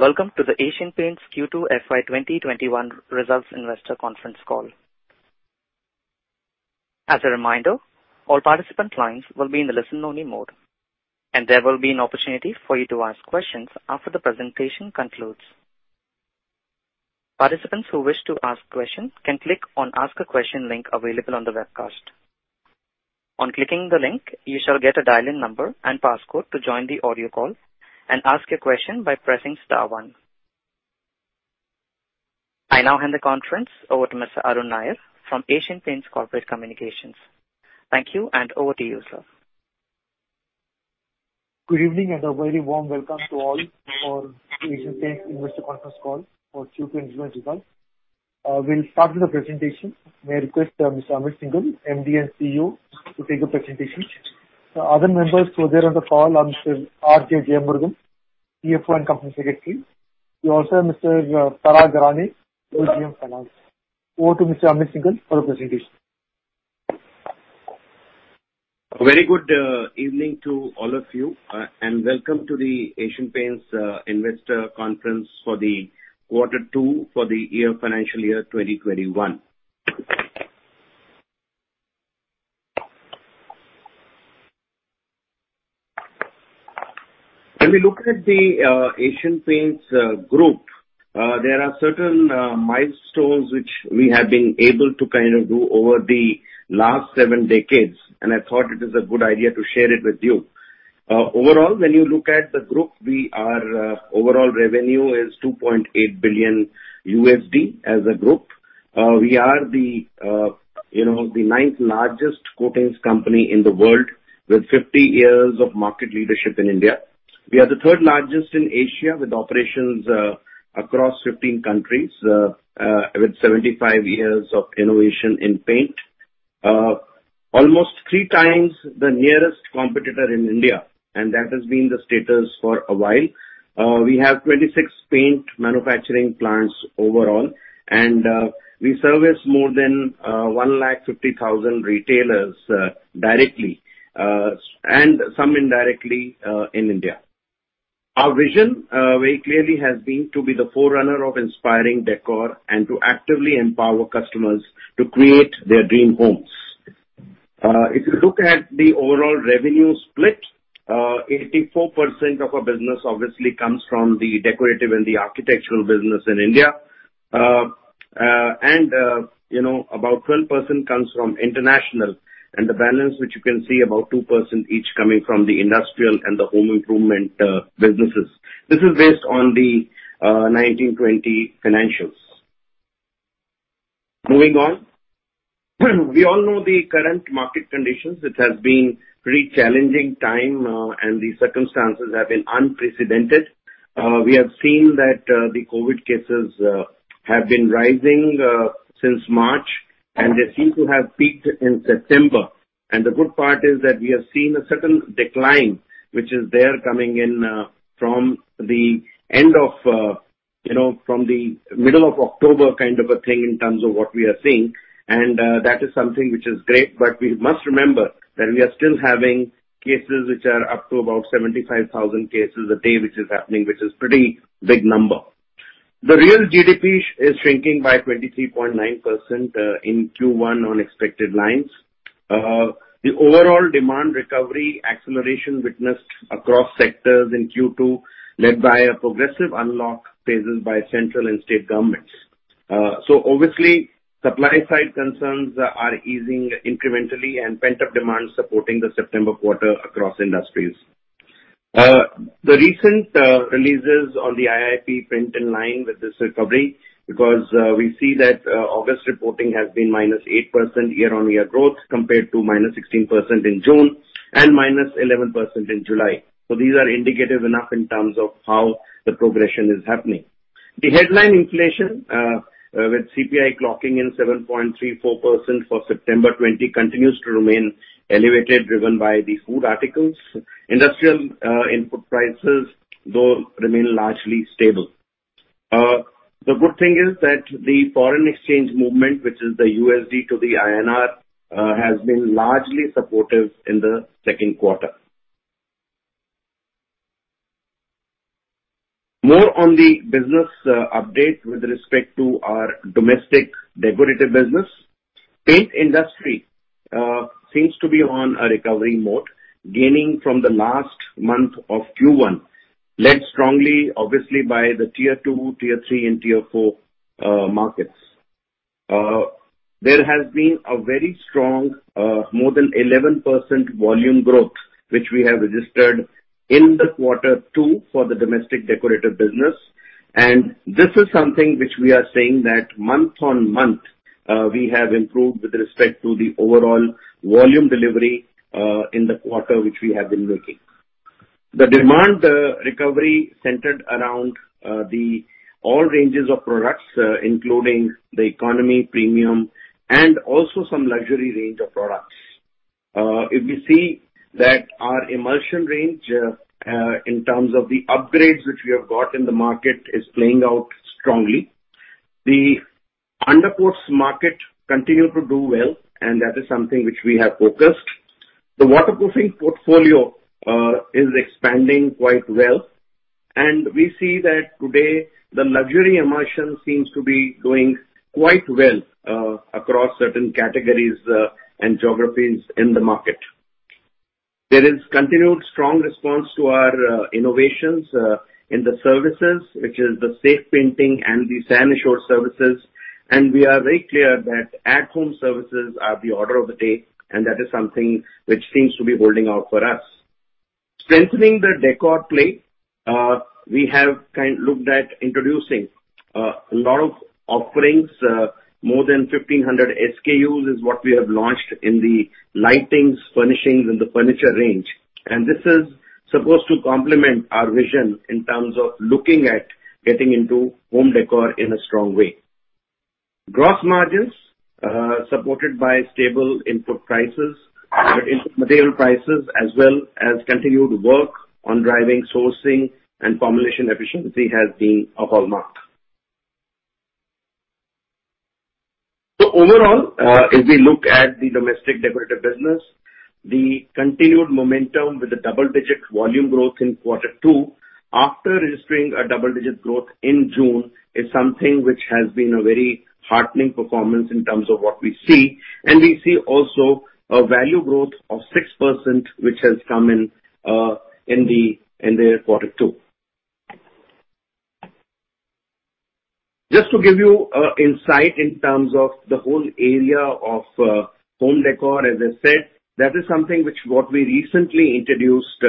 Welome to the Asian Paints Q2 FY 2021 Results Investor Conference Call. As a reminder, all participant lines will be in the listen only mode, and there will be an opportunity for you to ask questions after the presentation concludes. Participants who wish to ask questions can click on "Ask a Question" link available on the webcast. On clicking the link, you shall get a dial-in number and passcode to join the audio call and ask a question by pressing star one. I now hand the conference over to Mr. Arun Nair from Asian Paints Corporate Communications. Thank you, and over to you, sir. Good evening, and a very warm welcome to all for Asian Paints Investor Conference Call for Q2 results. We'll start with the presentation. May I request Mr. Amit Syngle, MD & CEO, to take the presentation. Other members who are there on the call are Mr. R.J. Jeyamurugan, CFO and Company Secretary. We also have Mr. Parag Rane, Associate Vice President of Finance. Over to Mr. Amit Syngle for the presentation. Very good evening to all of you, welcome to the Asian Paints Investor Conference for the Q2 FY 2021. When we look at the Asian Paints Group, there are certain milestones which we have been able to do over the last seven decades, I thought it is a good idea to share it with you. Overall, when you look at the group, our overall revenue is 2.8 billion USD as a group. We are the ninth-largest coatings company in the world, with 50 years of market leadership in India. We are the third largest in Asia, with operations across 15 countries, with 75 years of innovation in paint. Almost 3x the nearest competitor in India, That has been the status for a while. We have 26 paint manufacturing plants overall, We service more than 150,000 retailers directly, some indirectly, in India. Our vision very clearly has been to be the forerunner of inspiring décor and to actively empower customers to create their dream homes. If you look at the overall revenue split, 84% of our business obviously comes from the decorative and the architectural business in India. About 12% comes from international and the balance, which you can see, about 2% each coming from the industrial and the home improvement businesses. This is based on the 2019/2020 financials. Moving on. We all know the current market conditions. It has been pretty challenging time, and the circumstances have been unprecedented. We have seen that the COVID cases have been rising since March, and they seem to have peaked in September. The good part is that we have seen a certain decline, which is there coming in from the middle of October kind of a thing in terms of what we are seeing, that is something which is great. We must remember that we are still having cases which are up to about 75,000 cases a day, which is happening, which is pretty big number. The real GDP is shrinking by 23.9% in Q1 on expected lines. The overall demand recovery acceleration witnessed across sectors in Q2, led by a progressive unlock phases by central and state governments. Obviously, supply side concerns are easing incrementally and pent-up demand supporting the September quarter across industries. The recent releases on the IIP print in line with this recovery because we see that August reporting has been -8% year-on-year growth compared to -16% in June and -11% in July. These are indicative enough in terms of how the progression is happening. The headline inflation with CPI clocking in 7.34% for September 2020 continues to remain elevated, driven by the food articles. Industrial input prices though remain largely stable. The good thing is that the foreign exchange movement, which is the USD to the INR, has been largely supportive in the second quarter. More on the business update with respect to our domestic decorative business. Paint industry seems to be on a recovery mode, gaining from the last month of Q1, led strongly, obviously, by the Tier 2, Tier 3, and Tier 4 markets. There has been a very strong, more than 11% volume growth, which we have registered in the Q2 for the domestic decorative business, and this is something which we are saying that month on month, we have improved with respect to the overall volume delivery in the quarter which we have been making. The demand recovery centered around all ranges of products, including the economy premium and also some luxury range of products. If we see that our emulsion range, in terms of the upgrades which we have got in the market, is playing out strongly. The undercoats market continued to do well, and that is something which we have focused. The waterproofing portfolio is expanding quite well, and we see that today the luxury emulsion seems to be doing quite well across certain categories and geographies in the market. There is continued strong response to our innovations in the services, which is the safe painting and the San Assure services. We are very clear that at-home services are the order of the day. That is something which seems to be holding out for us. Strengthening the décor play, we have looked at introducing a lot of offerings. More than 1,500 SKUs is what we have launched in the lightings, furnishings, and the furniture range. This is supposed to complement our vision in terms of looking at getting into home décor in a strong way. Gross margins, supported by stable input prices, material prices, as well as continued work on driving sourcing and formulation efficiency, has been a hallmark. Overall, if we look at the domestic decorative business, the continued momentum with the double-digit volume growth in Q2 after registering a double-digit growth in June, is something which has been a very heartening performance in terms of what we see. We see also a value growth of 6%, which has come in the Q2. Just to give you insight in terms of the whole area of home décor, as I said, that is something which what we recently introduced,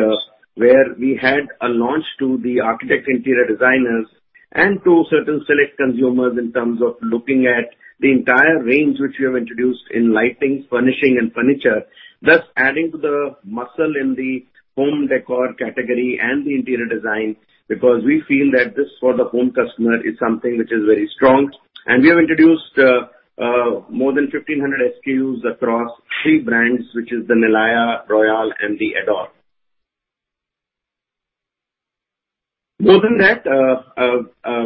where we had a launch to the architect interior designers and to certain select consumers in terms of looking at the entire range which we have introduced in lighting, furnishing, and furniture, thus adding to the muscle in the home décor category and the interior design. We feel that this, for the home customer, is something which is very strong. We have introduced more than 1,500 SKUs across three brands, which is the Nilaya, Royale, and the Ador. More than that,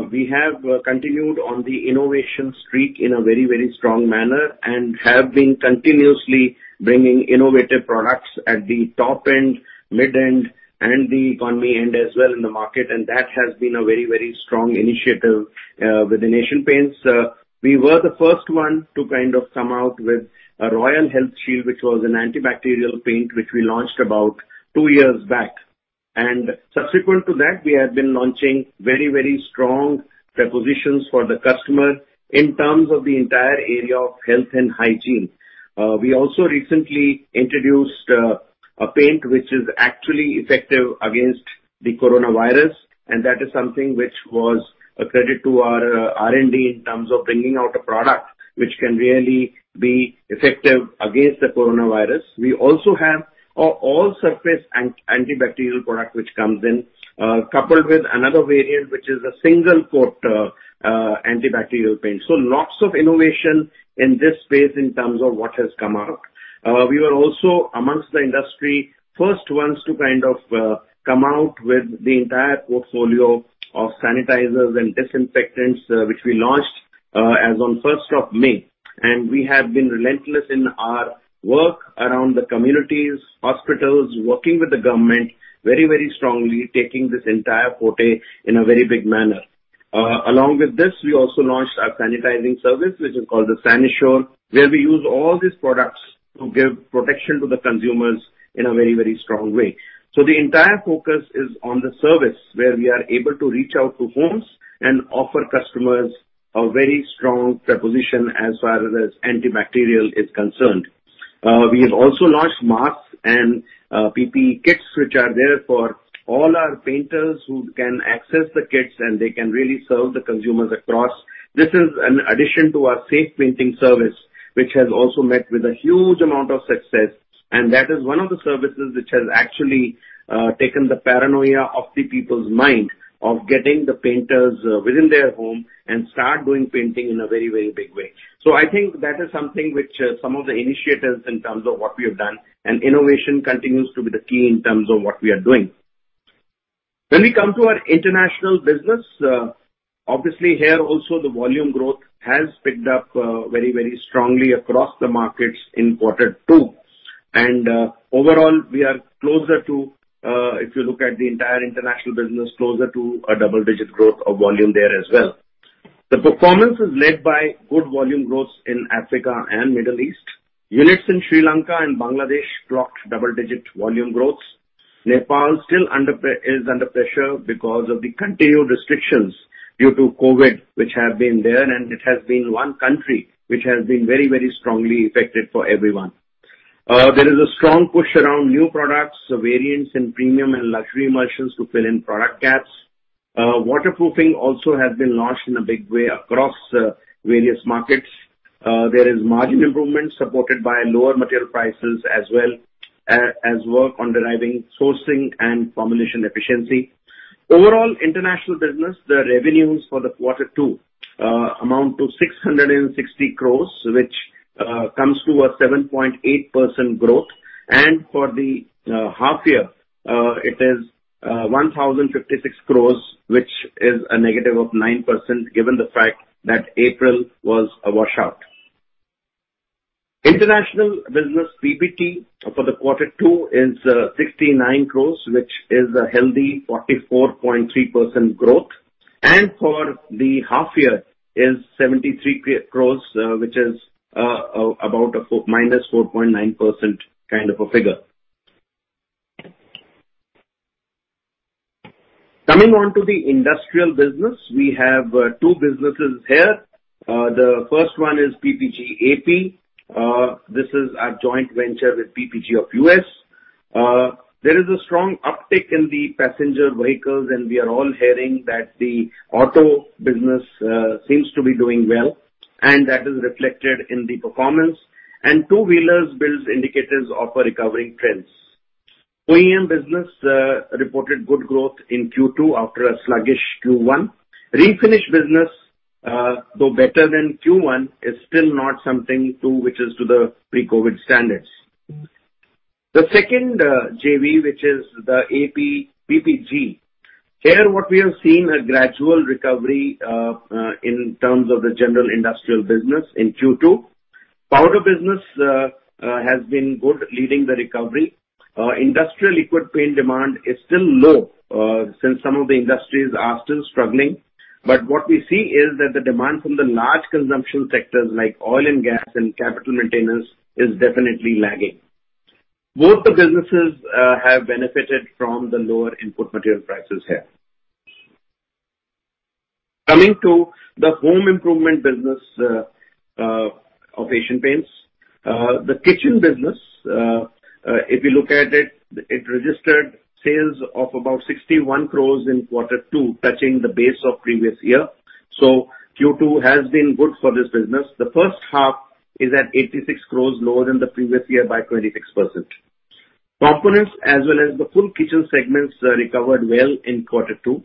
we have continued on the innovation streak in a very strong manner and have been continuously bringing innovative products at the top-end, mid-end, and the economy end as well in the market. That has been a very strong initiative within Asian Paints. We were the first one to kind of come out with a Royale Health Shield, which was an antibacterial paint, which we launched about two years back. Subsequent to that, we have been launching very strong propositions for the customer in terms of the entire area of health and hygiene. We also recently introduced a paint which is actually effective against the coronavirus, that is something which was a credit to our R&D in terms of bringing out a product which can really be effective against the coronavirus. We also have all surface antibacterial product which comes in, coupled with another variant, which is a single-coat antibacterial paint. Lots of innovation in this space in terms of what has come out. We were also, amongst the industry, first ones to kind of come out with the entire portfolio of sanitizers and disinfectants, which we launched as on the first of May. We have been relentless in our work around the communities, hospitals, working with the government very strongly, taking this entire forte in a very big manner. Along with this, we also launched our sanitizing service, which is called the San Assure, where we use all these products to give protection to the consumers in a very strong way. The entire focus is on the service, where we are able to reach out to homes and offer customers a very strong proposition as far as antibacterial is concerned. We have also launched masks and PPE kits, which are there for all our painters who can access the kits, and they can really serve the consumers across. This is an addition to our safe painting service, which has also met with a huge amount of success, and that is one of the services which has actually taken the paranoia of the people's mind of getting the painters within their home and start doing painting in a very big way. I think that is something which some of the initiatives in terms of what we have done, and innovation continues to be the key in terms of what we are doing. Overall, we are closer to, if you look at the entire international business, closer to a double-digit growth of volume there as well. The performance is led by good volume growth in Africa and Middle East. Units in Sri Lanka and Bangladesh clocked double-digit volume growths. Nepal still is under pressure because of the continued restrictions due to COVID, which have been there, and it has been one country which has been very strongly affected for everyone. There is a strong push around new products, variants in premium and luxury emulsions to fill in product gaps. Waterproofing also has been launched in a big way across various markets. There is margin improvement supported by lower material prices, as well as work on deriving sourcing and formulation efficiency. Overall, international business, the revenues for the Q2 amount to 660 crores, which comes to a 7.8% growth. For the half year, it is 1,056 crores, which is a negative of 9%, given the fact that April was a washout. International business PBT for the Q2 is 69 crores, which is a healthy 44.3% growth, and for the half year is 73 crores, which is about a -4.9% kind of a figure. Coming on to the industrial business, we have two businesses here. The first one is PPG AP. This is our joint venture with PPG of U.S. There is a strong uptick in the passenger vehicles, we are all hearing that the auto business seems to be doing well, that is reflected in the performance, two-wheelers build indicators of a recovering trends. OEM business reported good growth in Q2 after a sluggish Q1. Refinish business, though better than Q1, is still not something to which is to the pre-COVID standards. The second JV, which is the AP PPG. Here, what we have seen a gradual recovery in terms of the general industrial business in Q2. Powder business has been good, leading the recovery. Industrial liquid paint demand is still low since some of the industries are still struggling. What we see is that the demand from the large consumption sectors like oil and gas and capital maintenance is definitely lagging. Both the businesses have benefited from the lower input material prices here. Coming to the home improvement business of Asian Paints. The kitchen business, if you look at it registered sales of about 61 crores in Q2, touching the base of previous year. Q2 has been good for this business. The first half is at 86 crores, lower than the previous year by 26%. Components as well as the full kitchen segments recovered well in Q2.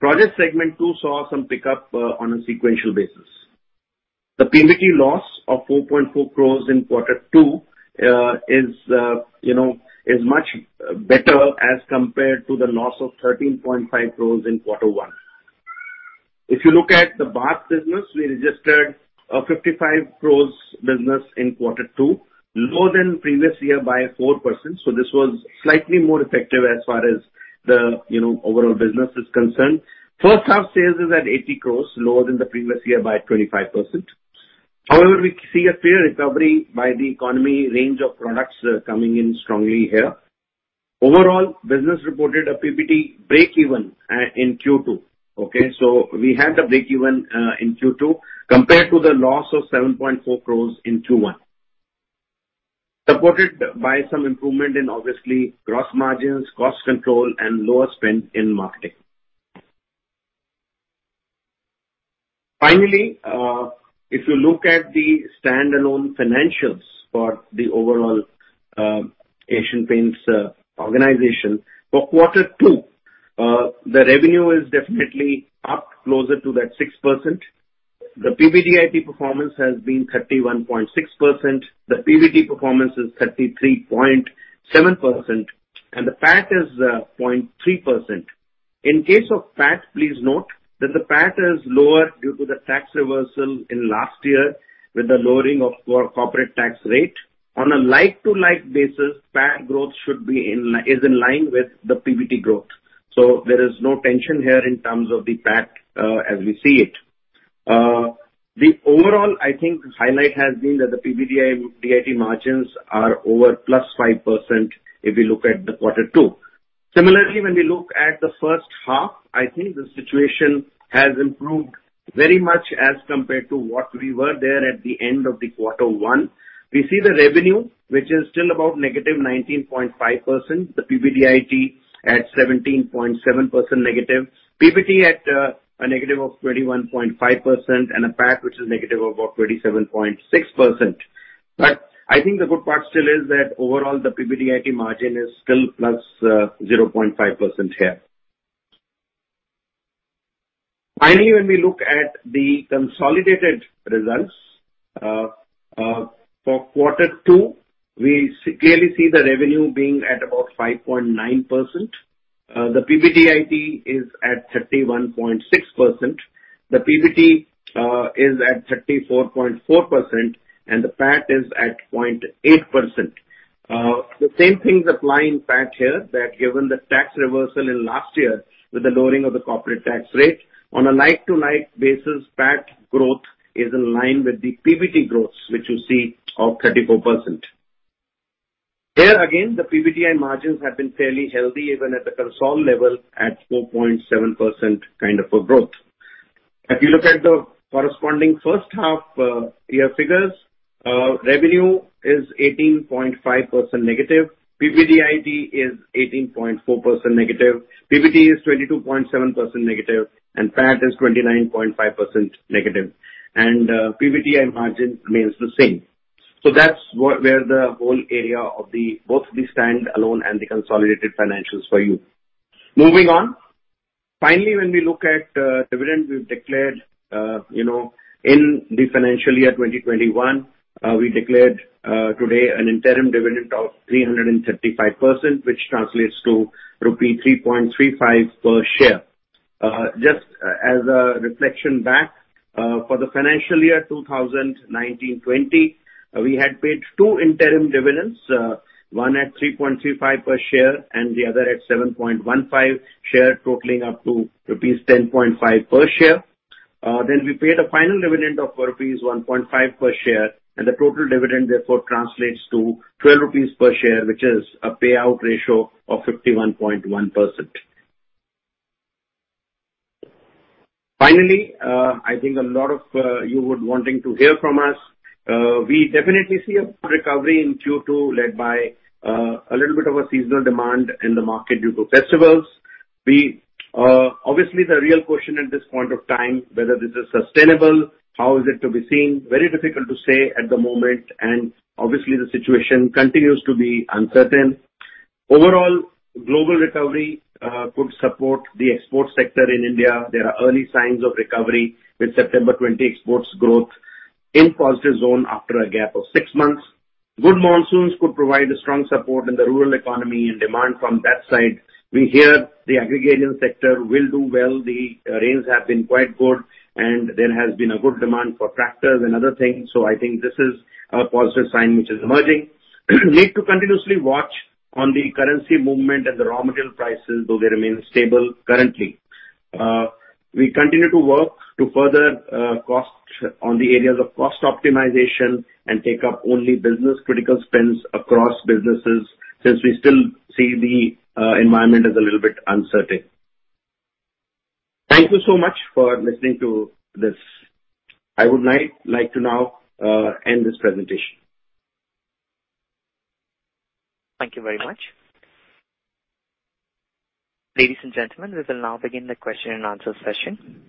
Project segment too saw some pickup on a sequential basis. The PBT loss of 4.4 crores in Q2 is much better as compared to the loss of 13.5 crores in Q1. If you look at the bath business, we registered a 55 crores business in Q2, lower than previous year by 4%. This was slightly more effective as far as the overall business is concerned. First half sales is at 80 crore, lower than the previous year by 25%. However, we see a fair recovery by the economy range of products coming in strongly here. Overall, business reported a PBT breakeven in Q2. Okay? We had a breakeven in Q2 compared to the loss of 7.4 crore in Q1, supported by some improvement in obviously gross margins, cost control, and lower spend in marketing. Finally, if you look at the standalone financials for the overall Asian Paints organization for Q2, the revenue is definitely up closer to that 6%. The PBDIT performance has been 31.6%, the PBT performance is 33.7%, and the PAT is 0.3%. In case of PAT, please note that the PAT is lower due to the tax reversal in last year with the lowering of corporate tax rate. On a like-to-like basis, PAT growth is in line with the PBT growth. There is no tension here in terms of the PAT as we see it. The overall, I think, highlight has been that the PBDIT margins are over +5% if we look at the Q2. When we look at the first half, I think the situation has improved very much as compared to what we were there at the end of the Q1. We see the revenue, which is still about -19.5%, the PBDIT at -17.7%, PBT at -21.5%, and a PAT which is about -27.6%. I think the good part still is that overall, the PBDIT margin is still +0.5% here. When we look at the consolidated results for Q2, we clearly see the revenue being at about 5.9%. The PBDIT is at 31.6%, the PBT is at 34.4%, and the PAT is at 0.8%. The same things apply in PAT here, that given the tax reversal in last year with the lowering of the corporate tax rate, on a like-to-like basis, PAT growth is in line with the PBT growth, which you see of 34%. Here again, the PBDIT margins have been fairly healthy even at the consol level at 4.7% kind of a growth. If you look at the corresponding first half year figures, revenue is -18.5%, PBDIT is -18.4%, PBT is -22.7%, and PAT is -29.5%. PBDIT margin remains the same. That's where the whole area of both the standalone and the consolidated financials for you. Finally, when we look at dividend we've declared in the financial year 2021, we declared today an interim dividend of 335%, which translates to rupee 3.35 per share. Just as a reflection back, for the financial year 2019/20, we had paid two interim dividends, one at 3.35 per share and the other at 7.15 share, totaling up to rupees 10.5 per share. We paid a final dividend of rupees 1.5 per share, and the total dividend therefore translates to 12 rupees per share, which is a payout ratio of 51.1%. Finally, I think a lot of you were wanting to hear from us. We definitely see a recovery in Q2 led by a little bit of a seasonal demand in the market due to festivals. Obviously, the real question at this point of time, whether this is sustainable, how is it to be seen? Very difficult to say at the moment, obviously, the situation continues to be uncertain. Overall, global recovery could support the export sector in India. There are early signs of recovery with September 20 exports growth in positive zone after a gap of six months. Good monsoons could provide a strong support in the rural economy and demand from that side We hear the agri sector will do well. The rains have been quite good, there has been a good demand for tractors and other things. I think this is a positive sign which is emerging. Need to continuously watch on the currency movement and the raw material prices, though they remain stable currently. We continue to work to further cut on the areas of cost optimization and take up only business-critical spends across businesses since we still see the environment is a little bit uncertain. Thank you so much for listening to this. I would like to now end this presentation. Thank you very much. Ladies and gentlemen, we will now begin the question and answer session.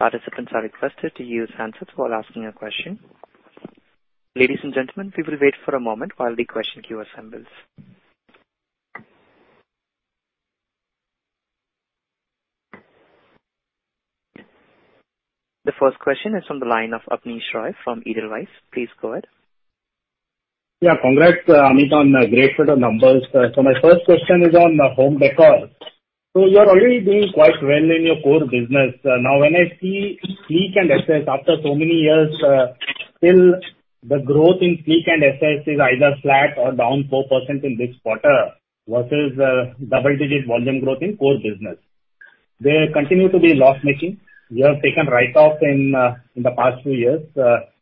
Ladies and gentlemen, we will wait for a moment while the question queue assembles. The first question is from the line of Abneesh Roy from Edelweiss. Please go ahead. Yeah. Congrats, Amit, on a great set of numbers. My first question is on home decor. When I see Sleek and Ess Ess, after so many years, still the growth in Sleek and Ess Ess is either flat or down 4% in this quarter versus double-digit volume growth in core business. They continue to be loss-making. You have taken write-offs in the past few years,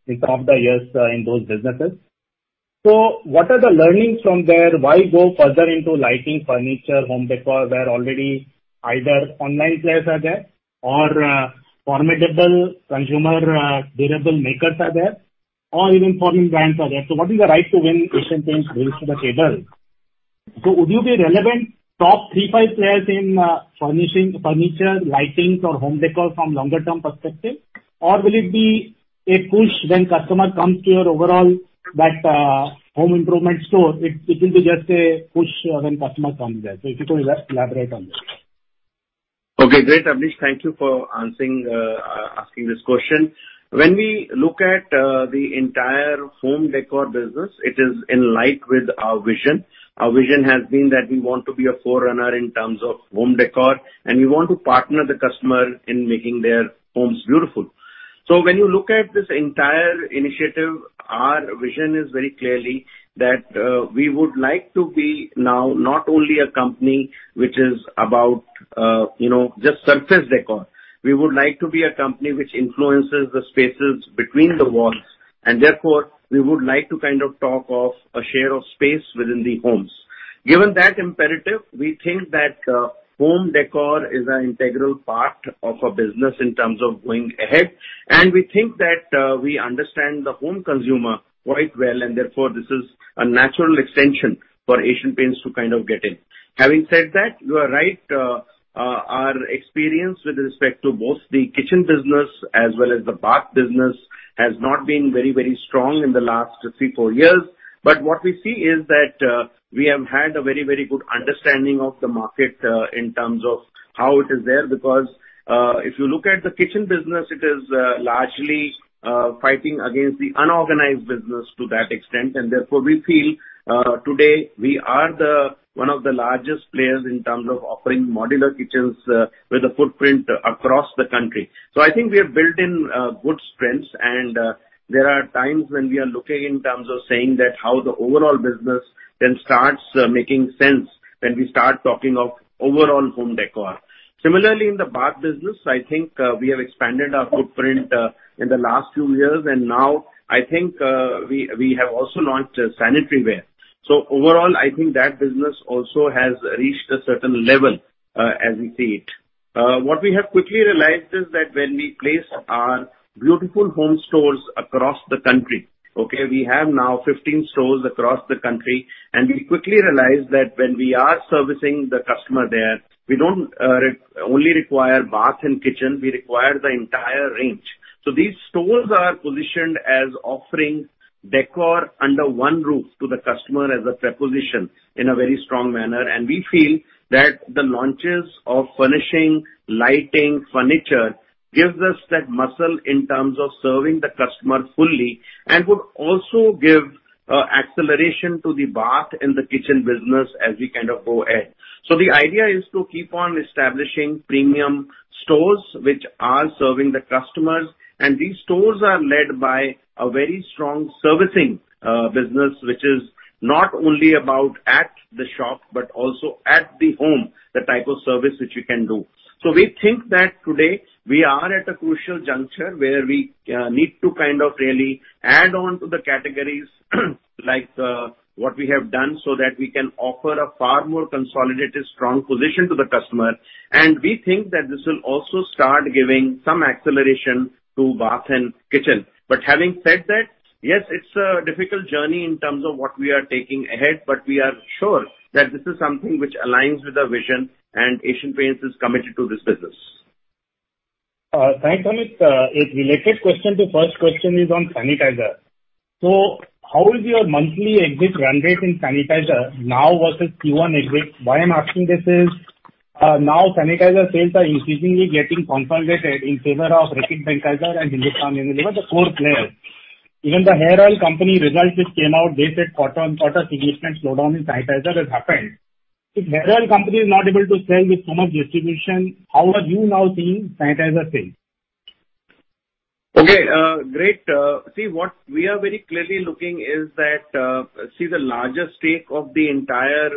in some of the years in those businesses. What are the learnings from there? Why go further into lighting, furniture, home decor, where already either online players are there, or formidable consumer durable makers are there, or even foreign brands are there. What is the right to win Asian Paints brings to the table? Would you be relevant top three, five players in furnishing furniture, lighting, or home decor from longer-term perspective? Will it be a push when customer comes to your overall that home improvement store, it will be just a push when customer comes there? If you could elaborate on this. Okay, great, Abneesh. Thank you for asking this question. When we look at the entire home decor business, it is in light with our vision. Our vision has been that we want to be a forerunner in terms of home decor, and we want to partner the customer in making their homes beautiful. When you look at this entire initiative, our vision is very clearly that we would like to be now not only a company which is about just surface decor. We would like to be a company which influences the spaces between the walls, and therefore, we would like to talk of a share of space within the homes. Given that imperative, we think that home decor is an integral part of our business in terms of going ahead. We think that we understand the home consumer quite well. Therefore, this is a natural extension for Asian Paints to get in. Having said that, you are right. Our experience with respect to both the kitchen business as well as the bath business has not been very strong in the last three, four years. What we see is that we have had a very good understanding of the market, in terms of how it is there, because if you look at the kitchen business, it is largely fighting against the unorganized business to that extent. Therefore, we feel today we are one of the largest players in terms of offering modular kitchens with a footprint across the country. I think we have built in good strengths, and there are times when we are looking in terms of saying that how the overall business then starts making sense when we start talking of overall home Décor. Similarly, in the bath business, I think we have expanded our footprint in the last few years, and now I think we have also launched sanitary ware. Overall, I think that business also has reached a certain level as we see it. What we have quickly realized is that when we place our Beautiful Homes stores across the country, okay, we have now 15 stores across the country, and we quickly realized that when we are servicing the customer there, we don't only require bath and kitchen, we require the entire range. These stores are positioned as offering décor under one roof to the customer as a proposition in a very strong manner. We feel that the launches of furnishing, lighting, furniture, gives us that muscle in terms of serving the customer fully and would also give acceleration to the bath and the kitchen business as we go ahead. The idea is to keep on establishing premium stores which are serving the customers, and these stores are led by a very strong servicing business, which is not only about at the shop, but also at the home, the type of service which we can do. We think that today we are at a crucial juncture where we need to really add on to the categories, what we have done so that we can offer a far more consolidated, strong position to the customer. We think that this will also start giving some acceleration to bath and kitchen. Having said that, yes, it's a difficult journey in terms of what we are taking ahead, but we are sure that this is something which aligns with our vision, and Asian Paints is committed to this business. Thanks, Amit. A related question to first question is on sanitizer. How is your monthly exit run rate in sanitizer now versus Q1 exit? Why I'm asking this is, now sanitizer sales are increasingly getting consolidated in favor of Reckitt Benckiser and Hindustan Unilever, the core players. Even the hair oil company results which came out, they said quarter-on-quarter significant slowdown in sanitizer has happened. If hair oil company is not able to sell with so much distribution, how are you now seeing sanitizer sales? Okay, great. What we are very clearly looking is that the largest stake of the entire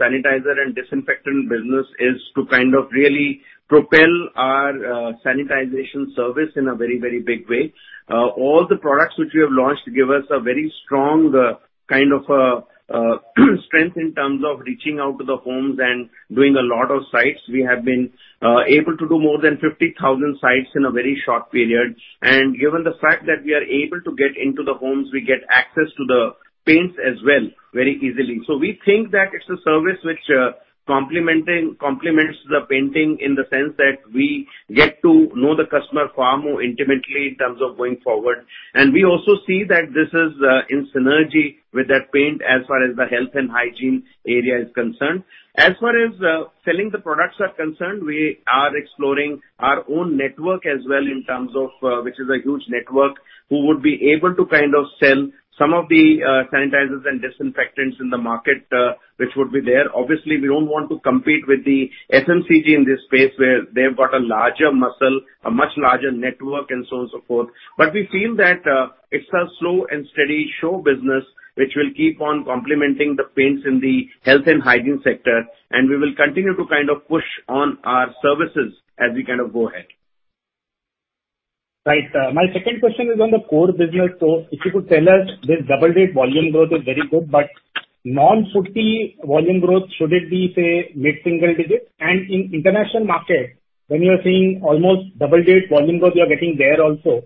sanitizer and disinfectant business is to really propel our sanitization service in a very big way. All the products which we have launched give us a very strong strength in terms of reaching out to the homes and doing a lot of sites. We have been able to do more than 50,000 sites in a very short period. Given the fact that we are able to get into the homes, we get access to the paints as well very easily. We think that it's a service which complements the painting in the sense that we get to know the customer far more intimately in terms of going forward. We also see that this is in synergy with that paint as far as the health and hygiene area is concerned. As far as selling the products are concerned, we are exploring our own network as well, which is a huge network, who would be able to sell some of the sanitizers and disinfectants in the market, which would be there. Obviously, we don't want to compete with the FMCG in this space where they've got a larger muscle, a much larger network and so on and so forth. We feel that it's a slow and steady sure business, which will keep on complementing the paints in the health and hygiene sector, and we will continue to push on our services as we go ahead. Right. My second question is on the core business. If you could tell us, this double-digit volume growth is very good, but non-putty volume growth, should it be, say, mid-single digit? In international market, when you are seeing almost double-digit volume growth you are getting there also.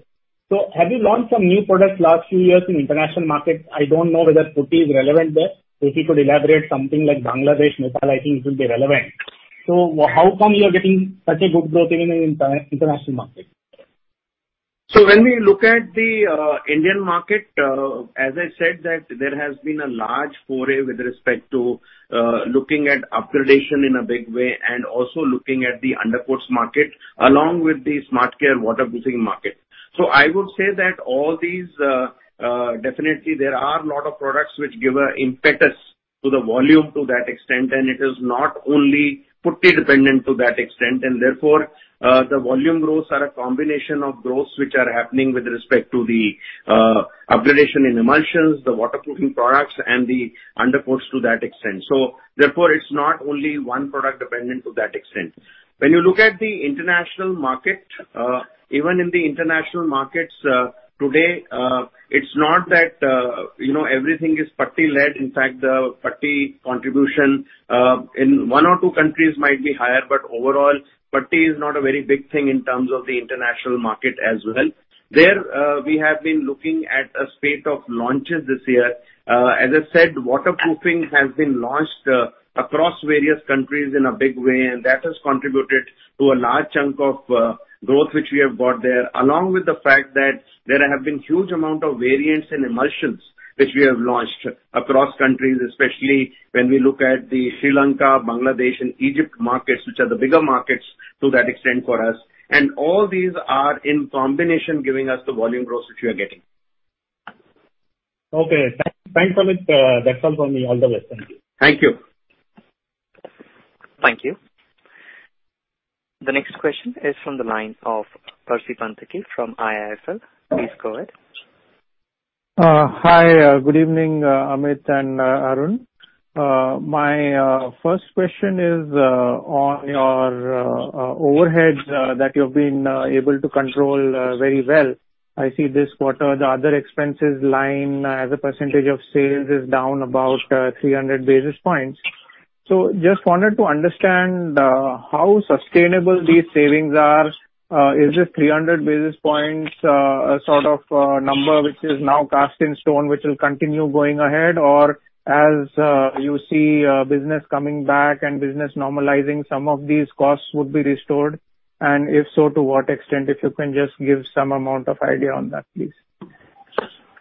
Have you launched some new products last few years in international markets? I don't know whether putty is relevant there. If you could elaborate something like Bangladesh, Nepal, I think it will be relevant. How come you are getting such a good growth even in international markets? When we look at the Indian market, as I said that there has been a large foray with respect to looking at up-gradation in a big way, and also looking at the undercoats market, along with the SmartCare waterproofing market. I would say that all these, definitely there are a lot of products which give an impetus to the volume to that extent, and it is not only putty-dependent to that extent. Therefore, the volume growths are a combination of growths which are happening with respect to the up-gradation in emulsions, the waterproofing products, and the undercoats to that extent. Therefore, it's not only one product dependent to that extent. When you look at the international market, even in the international markets today, it's not that everything is putty-led. In fact, the putty contribution in one or two countries might be higher, but overall, putty is not a very big thing in terms of the international market as well. There, we have been looking at a spate of launches this year. As I said, waterproofing has been launched across various countries in a big way, and that has contributed to a large chunk of growth which we have got there, along with the fact that there have been huge amount of variants and emulsions which we have launched across countries, especially when we look at the Sri Lanka, Bangladesh, and Egypt markets, which are the bigger markets to that extent for us. All these are in combination giving us the volume growth which we are getting. Okay. Thanks, Amit. That's all from me. All the best. Thank you. Thank you. Thank you. The next question is from the line of Percy Panthaki from IIFL. Please go ahead. Hi. Good evening, Amit and Arun. My first question is on your overheads that you've been able to control very well. I see this quarter, the other expenses line as a percentage of sales is down about 300 basis points. Just wanted to understand how sustainable these savings are. Is this 300 basis points a sort of number which is now cast in stone, which will continue going ahead? As you see business coming back and business normalizing, some of these costs would be restored? If so, to what extent? If you can just give some amount of idea on that, please.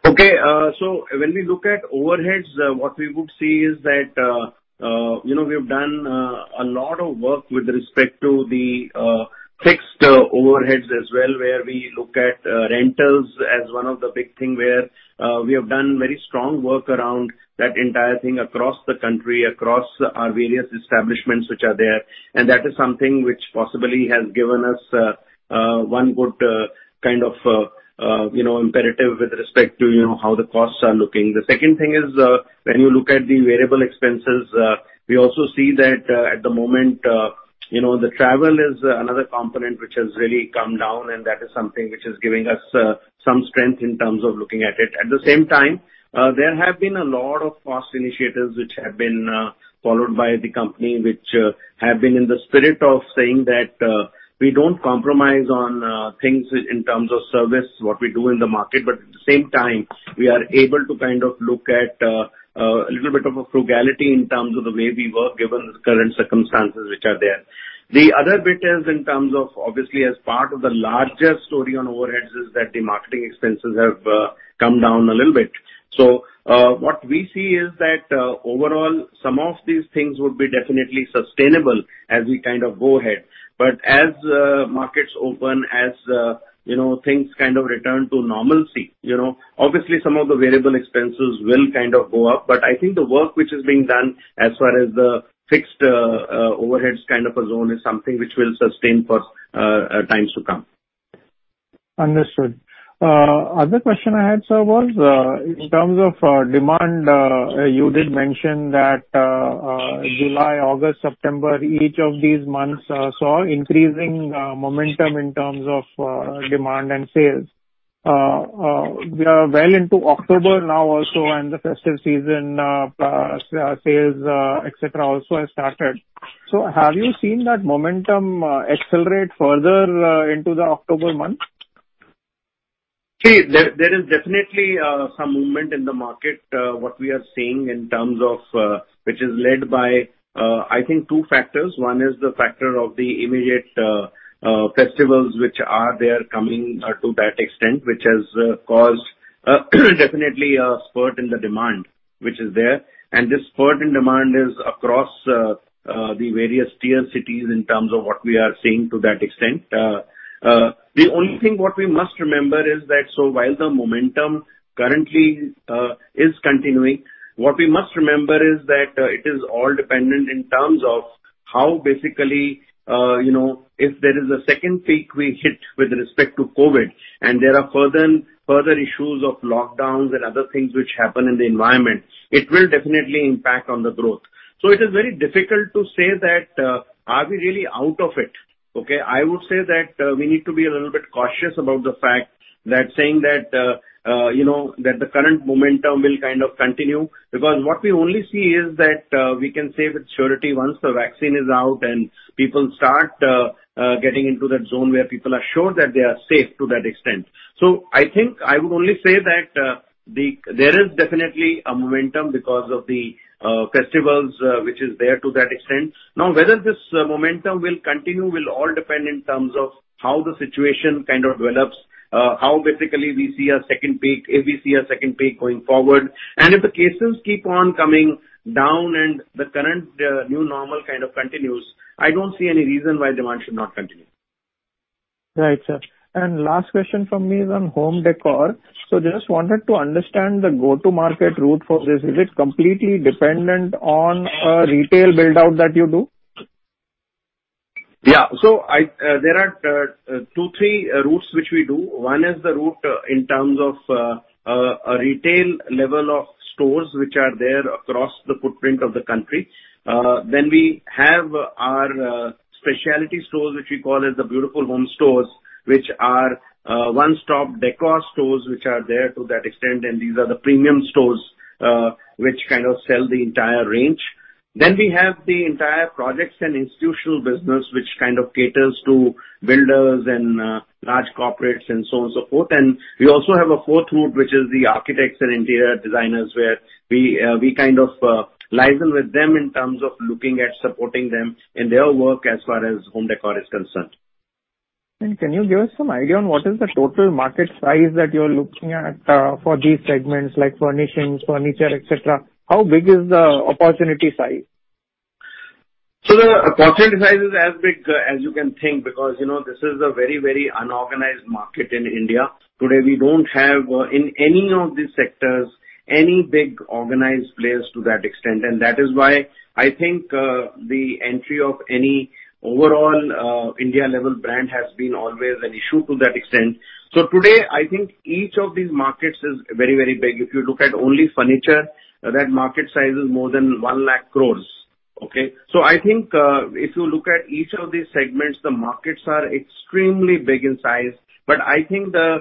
Okay. When we look at overheads, what we would see is that we have done a lot of work with respect to the fixed overheads as well, where we look at rentals as one of the big thing where we have done very strong work around that entire thing across the country, across our various establishments which are there. That is something which possibly has given us one good kind of imperative with respect to how the costs are looking. The second thing is, when you look at the variable expenses, we also see that at the moment, the travel is another component which has really come down, and that is something which is giving us some strength in terms of looking at it. At the same time, there have been a lot of cost initiatives which have been followed by the company, which have been in the spirit of saying that we don't compromise on things in terms of service, what we do in the market. At the same time, we are able to kind of look at a little bit of a frugality in terms of the way we work, given the current circumstances which are there. The other bit is in terms of, obviously, as part of the larger story on overheads, is that the marketing expenses have come down a little bit. What we see is that overall, some of these things would be definitely sustainable as we kind of go ahead. As markets open, as things kind of return to normalcy, obviously, some of the variable expenses will kind of go up. I think the work which is being done as far as the fixed overheads kind of a zone is something which will sustain for times to come. Understood. Other question I had, sir, was in terms of demand. You did mention that July, August, September, each of these months saw increasing momentum in terms of demand and sales. We are well into October now also, and the festive season sales, et cetera, also has started. Have you seen that momentum accelerate further into the October month? See, there is definitely some movement in the market. What we are seeing, which is led by, I think, two factors. One is the factor of the immediate festivals which are there coming to that extent, which has caused definitely a spurt in the demand which is there. This spurt in demand is across the various Tier cities in terms of what we are seeing to that extent. The only thing what we must remember is that so while the momentum currently is continuing, what we must remember is that it is all dependent in terms of how basically, if there is a second peak we hit with respect to COVID and there are further issues of lockdowns and other things which happen in the environment, it will definitely impact on the growth. It is very difficult to say that are we really out of it. Okay? I would say that we need to be a little bit cautious about the fact that saying that the current momentum will kind of continue, because what we only see is that we can say with surety once the vaccine is out and people start getting into that zone where people are sure that they are safe to that extent. I think I would only say that there is definitely a momentum because of the festivals which is there to that extent. Whether this momentum will continue will all depend in terms of how the situation kind of develops, how basically we see a second peak, if we see a second peak going forward. If the cases keep on coming down and the current new normal kind of continues, I don't see any reason why demand should not continue. Right, sir. Last question from me is on home décor. Just wanted to understand the go-to market route for this. Is it completely dependent on a retail build-out that you do? Yeah. There are two, three routes which we do. One is the route in terms of a retail level of stores which are there across the footprint of the country. We have our specialty stores, which we call as the Beautiful Homes stores, which are one-stop décor stores which are there to that extent, and these are the premium stores which kind of sell the entire range. We have the entire projects and institutional business, which kind of caters to builders and large corporates and so on, so forth. We also have a fourth route, which is the architects and interior designers, where we kind of liaison with them in terms of looking at supporting them in their work as far as home décor is concerned. Can you give us some idea on what is the total market size that you're looking at for these segments, like furnishings, furniture, et cetera? How big is the opportunity size? The opportunity size is as big as you can think because this is a very unorganized market in India. Today, we don't have, in any of these sectors, any big organized players to that extent. That is why I think the entry of any overall India-level brand has been always an issue to that extent. Today, I think each of these markets is very big. If you look at only furniture, that market size is more than 100,000 crores. Okay? I think if you look at each of these segments, the markets are extremely big in size. I think the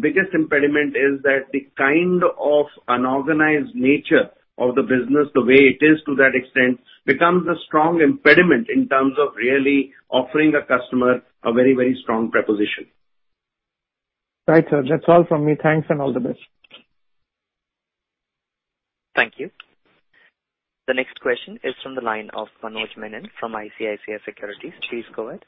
biggest impediment is that the kind of unorganized nature of the business, the way it is to that extent, becomes a strong impediment in terms of really offering a customer a very strong proposition. Right, sir. That's all from me. Thanks, and all the best. Thank you. The next question is from the line of Manoj Menon from ICICI Securities. Please go ahead.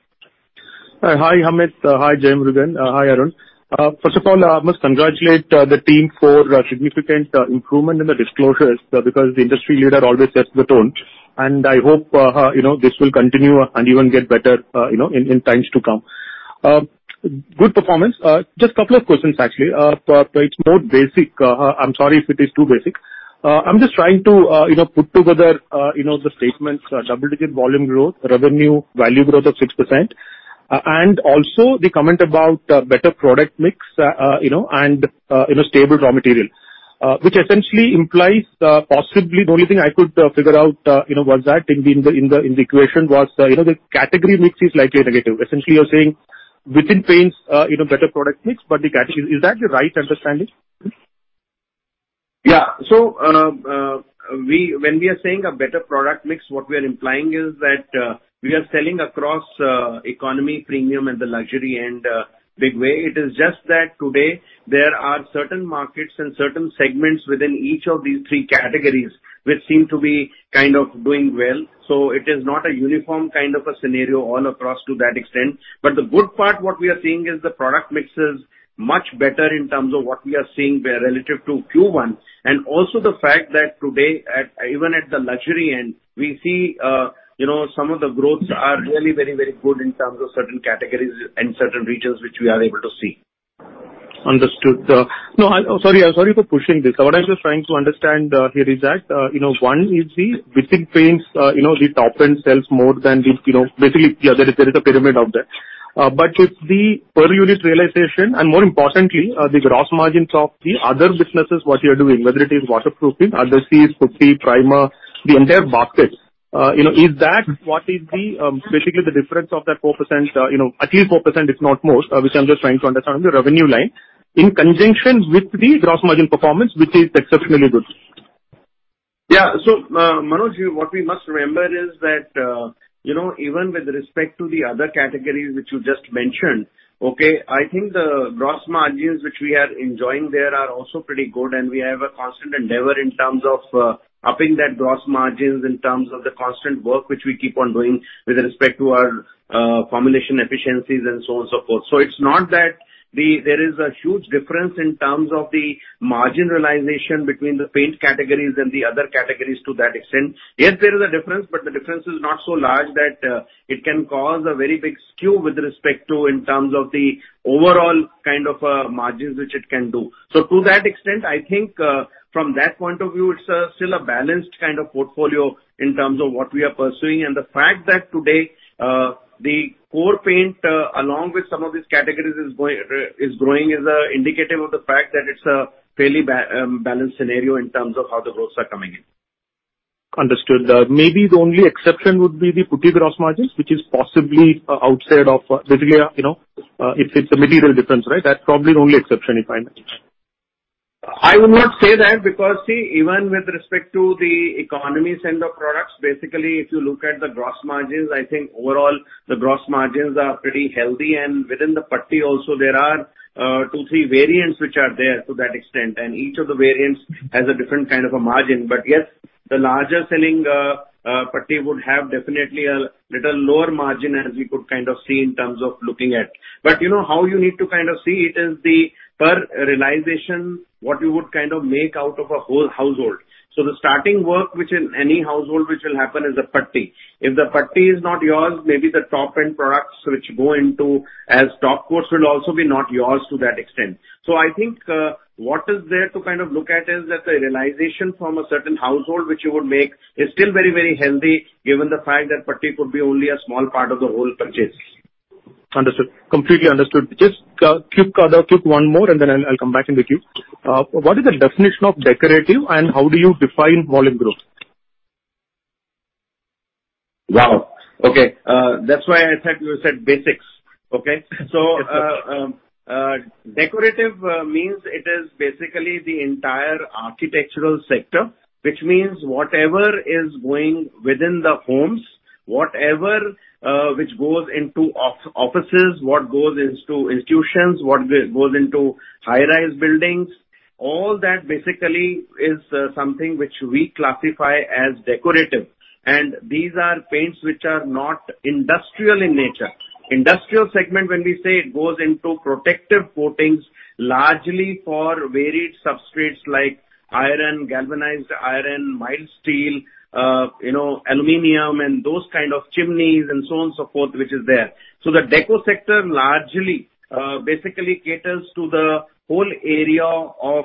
Hi, Amit. Hi, Jeyamurugan. Hi, Arun. First of all, I must congratulate the team for significant improvement in the disclosures, because the industry leader always sets the tone, and I hope this will continue and even get better in times to come. Good performance. Just a couple of questions, actually. It's more basic. I'm sorry if it is too basic. I'm just trying to put together the statements, double-digit volume growth, revenue value growth of 6%, and also the comment about better product mix, and stable raw material, which essentially implies possibly the only thing I could figure out was that in the equation was, the category mix is slightly negative. Essentially, you're saying within paints, better product mix, but the category, is that the right understanding? Yeah. When we are saying a better product mix, what we are implying is that we are selling across economy, premium, and the luxury in a big way. It is just that today there are certain markets and certain segments within each of these three categories, which seem to be kind of doing well. It is not a uniform kind of a scenario all across to that extent. The good part, what we are seeing, is the product mix is much better in terms of what we are seeing relative to Q1, and also the fact that today, even at the luxury end, we see some of the growths are really very good in terms of certain categories and certain regions which we are able to see. Understood. Sorry for pushing this. What I'm just trying to understand here is that, within paints, the top-end sells more than there is a pyramid out there. With the per unit realization, and more importantly, the gross margins of the other businesses, what you're doing, whether it is waterproofing, adhesives, putty, primer, the entire basket, is that what is the difference of that 4%, at least 4%, if not more? I'm just trying to understand the revenue line in conjunction with the gross margin performance, which is exceptionally good. Yeah. Manoj, what we must remember is that, even with respect to the other categories which you just mentioned, okay, I think the gross margins which we are enjoying there are also pretty good, and we have a constant endeavor in terms of upping that gross margins in terms of the constant work which we keep on doing with respect to our formulation efficiencies and so on and so forth. It's not that there is a huge difference in terms of the margin realization between the paint categories and the other categories to that extent. Yes, there is a difference, but the difference is not so large that it can cause a very big skew with respect to, in terms of the overall kind of margins which it can do. To that extent, I think from that point of view, it's still a balanced kind of portfolio in terms of what we are pursuing. The fact that today the core paint, along with some of these categories is growing, is indicative of the fact that it's a fairly balanced scenario in terms of how the growths are coming in. Understood. Maybe the only exception would be the putty gross margins, which is possibly outside of basically, it's a material difference, right? That's probably the only exception, if I may? I would not say that, because see, even with respect to the economy end of products, basically, if you look at the gross margins, I think overall the gross margins are pretty healthy. Within the putty also, there are two, three variants which are there to that extent, and each of the variants has a different kind of a margin. Yes, the larger selling putty would have definitely a little lower margin as we could kind of see in terms of looking at. You know how you need to kind of see it is the per realization, what you would kind of make out of a whole household. The starting work, which in any household, which will happen, is the putty. If the putty is not yours, maybe the top-end products which go into as topcoats will also be not yours to that extent. I think what is there to kind of look at is that the realization from a certain household, which you would make is still very healthy, given the fact that putty could be only a small part of the whole purchase. Understood. Completely understood. Just a quick one more, and then I'll come back in with you. What is the definition of decorative and how do you define volume growth? Wow. Okay. That's why I said you said basics. Okay? Yes, sir. Decorative means it is basically the entire architectural sector, which means whatever is going within the homes, whatever which goes into offices, what goes into institutions, what goes into high-rise buildings, all that basically is something which we classify as decorative. These are paints which are not industrial in nature. Industrial segment, when we say, it goes into protective coatings largely for varied substrates like iron, galvanized iron, mild steel, aluminum, and those kind of chimneys and so on, so forth, which is there. The deco sector largely basically caters to the whole area of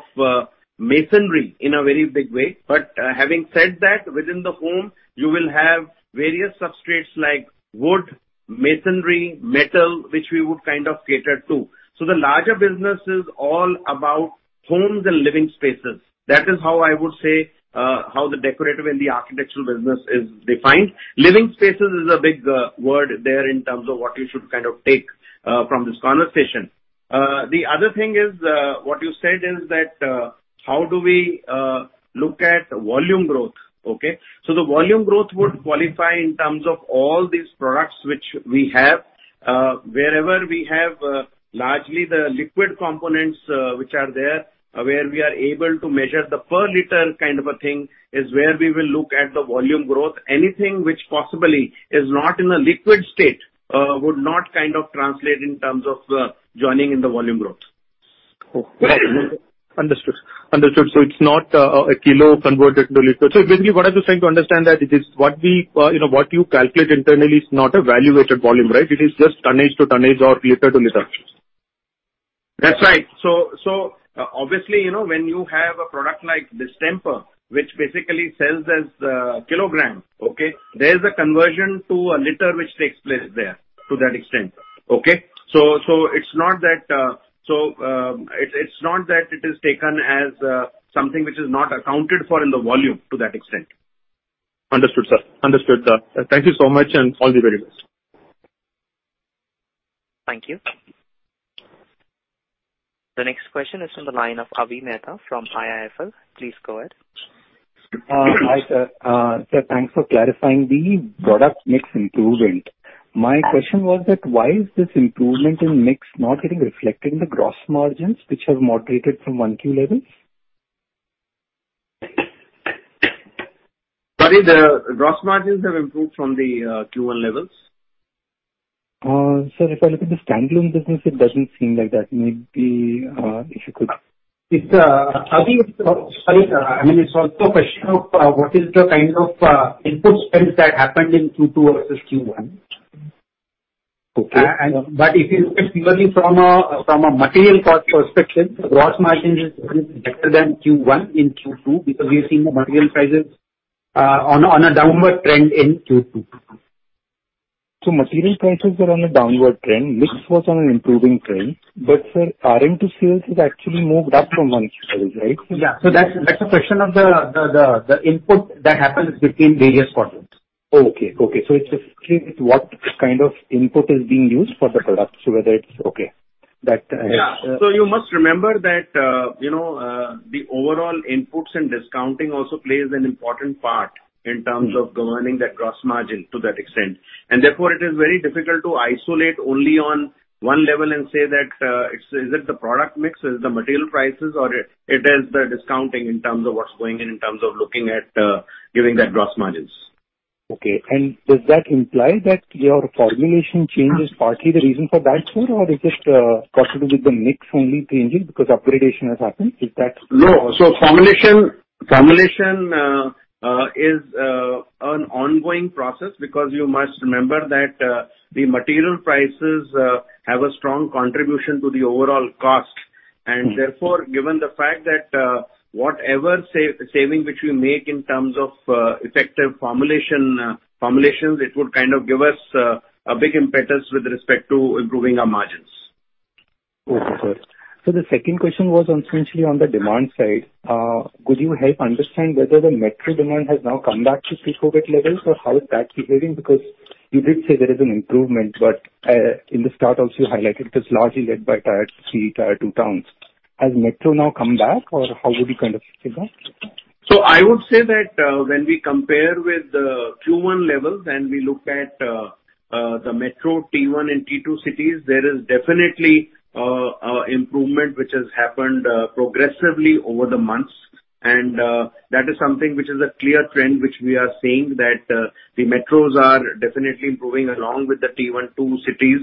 masonry in a very big way. Having said that, within the home, you will have various substrates like wood, masonry, metal, which we would kind of cater to. The larger business is all about homes and living spaces. That is how I would say how the decorative and the architectural business is defined. Living spaces is a big word there in terms of what you should kind of take from this conversation. The other thing is, what you said is that, how do we look at volume growth? Okay. The volume growth would qualify in terms of all these products. Wherever we have largely the liquid components which are there, where we are able to measure the per liter kind of a thing, is where we will look at the volume growth. Anything which possibly is not in a liquid state would not translate in terms of joining in the volume growth. Oh, understood. It's not a kilo converted to liter. Basically, what I was trying to understand that what you calculate internally is not a value-weighted volume, right? It is just tonnage to tonnage or liter to liter. That's right. Obviously, when you have a product like distemper, which basically sells as kilogram. Okay? There is a conversion to a liter which takes place there to that extent. Okay? It's not that it is taken as something which is not accounted for in the volume to that extent. Understood, sir. Thank you so much, and all the very best. Thank you. The next question is from the line of Avi Mehta from IIFL. Please go ahead. Hi, sir. Sir, thanks for clarifying the product mix improvement. My question was that, why is this improvement in mix not getting reflected in the gross margins, which have moderated from Q1 levels? Sorry, the gross margins have improved from the Q1 levels? Sir, if I look at the standalone business, it doesn't seem like that. Maybe if you could Avi, sorry. It's also a question of what is the kind of input spends that happened in Q2 versus Q1. Okay. If you look at purely from a material cost perspective, gross margin is better than Q1 in Q2 because we've seen material prices on a downward trend in Q2. Material prices are on a downward trend. Mix was on an improving trend. Sir, RM costs has actually moved up from one quarter, right? Yeah. That's a question of the input that happens between various quarters. Okay. It's just what kind of input is being used for the product, so whether it's Okay. Yeah. You must remember that the overall inputs and discounting also plays an important part in terms of governing that gross margin to that extent. Therefore, it is very difficult to isolate only on one level and say that is it the product mix? Is the material prices? Or it is the discounting in terms of what's going in terms of looking at giving that gross margins. Okay. Does that imply that your formulation change is partly the reason for that, sir? Is it possible with the mix only changing because upgradation has happened? No. Formulation is an ongoing process because you must remember that the material prices have a strong contribution to the overall cost. Therefore, given the fact that whatever saving which we make in terms of effective formulations, it would give us a big impetus with respect to improving our margins. Okay. The second question was essentially on the demand side. Could you help understand whether the metro demand has now come back to pre-COVID levels, or how is that behaving? You did say there is an improvement, but in the start also, you highlighted it was largely led by Tier 3, Tier 2 towns. Has metro now come back, or how would you kind of say that? I would say that when we compare with the Q1 levels and we look at the metro T1 and T2 cities, there is definitely improvement which has happened progressively over the months. That is something which is a clear trend which we are seeing that the metros are definitely improving along with the T1, T2 cities.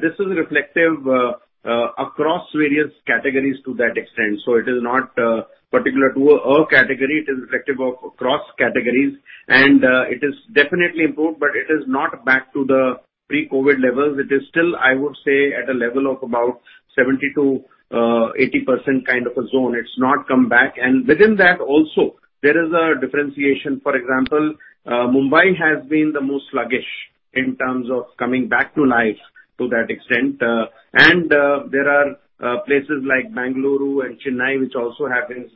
This is reflective across various categories to that extent. It is not particular to a category. It is reflective of across categories. It is definitely improved, but it is not back to the pre-COVID levels. It is still, I would say, at a level of about 70%-80% kind of a zone. It's not come back. Within that also, there is a differentiation. For example, Mumbai has been the most sluggish in terms of coming back to life to that extent. There are places like Bengaluru and Chennai which also have been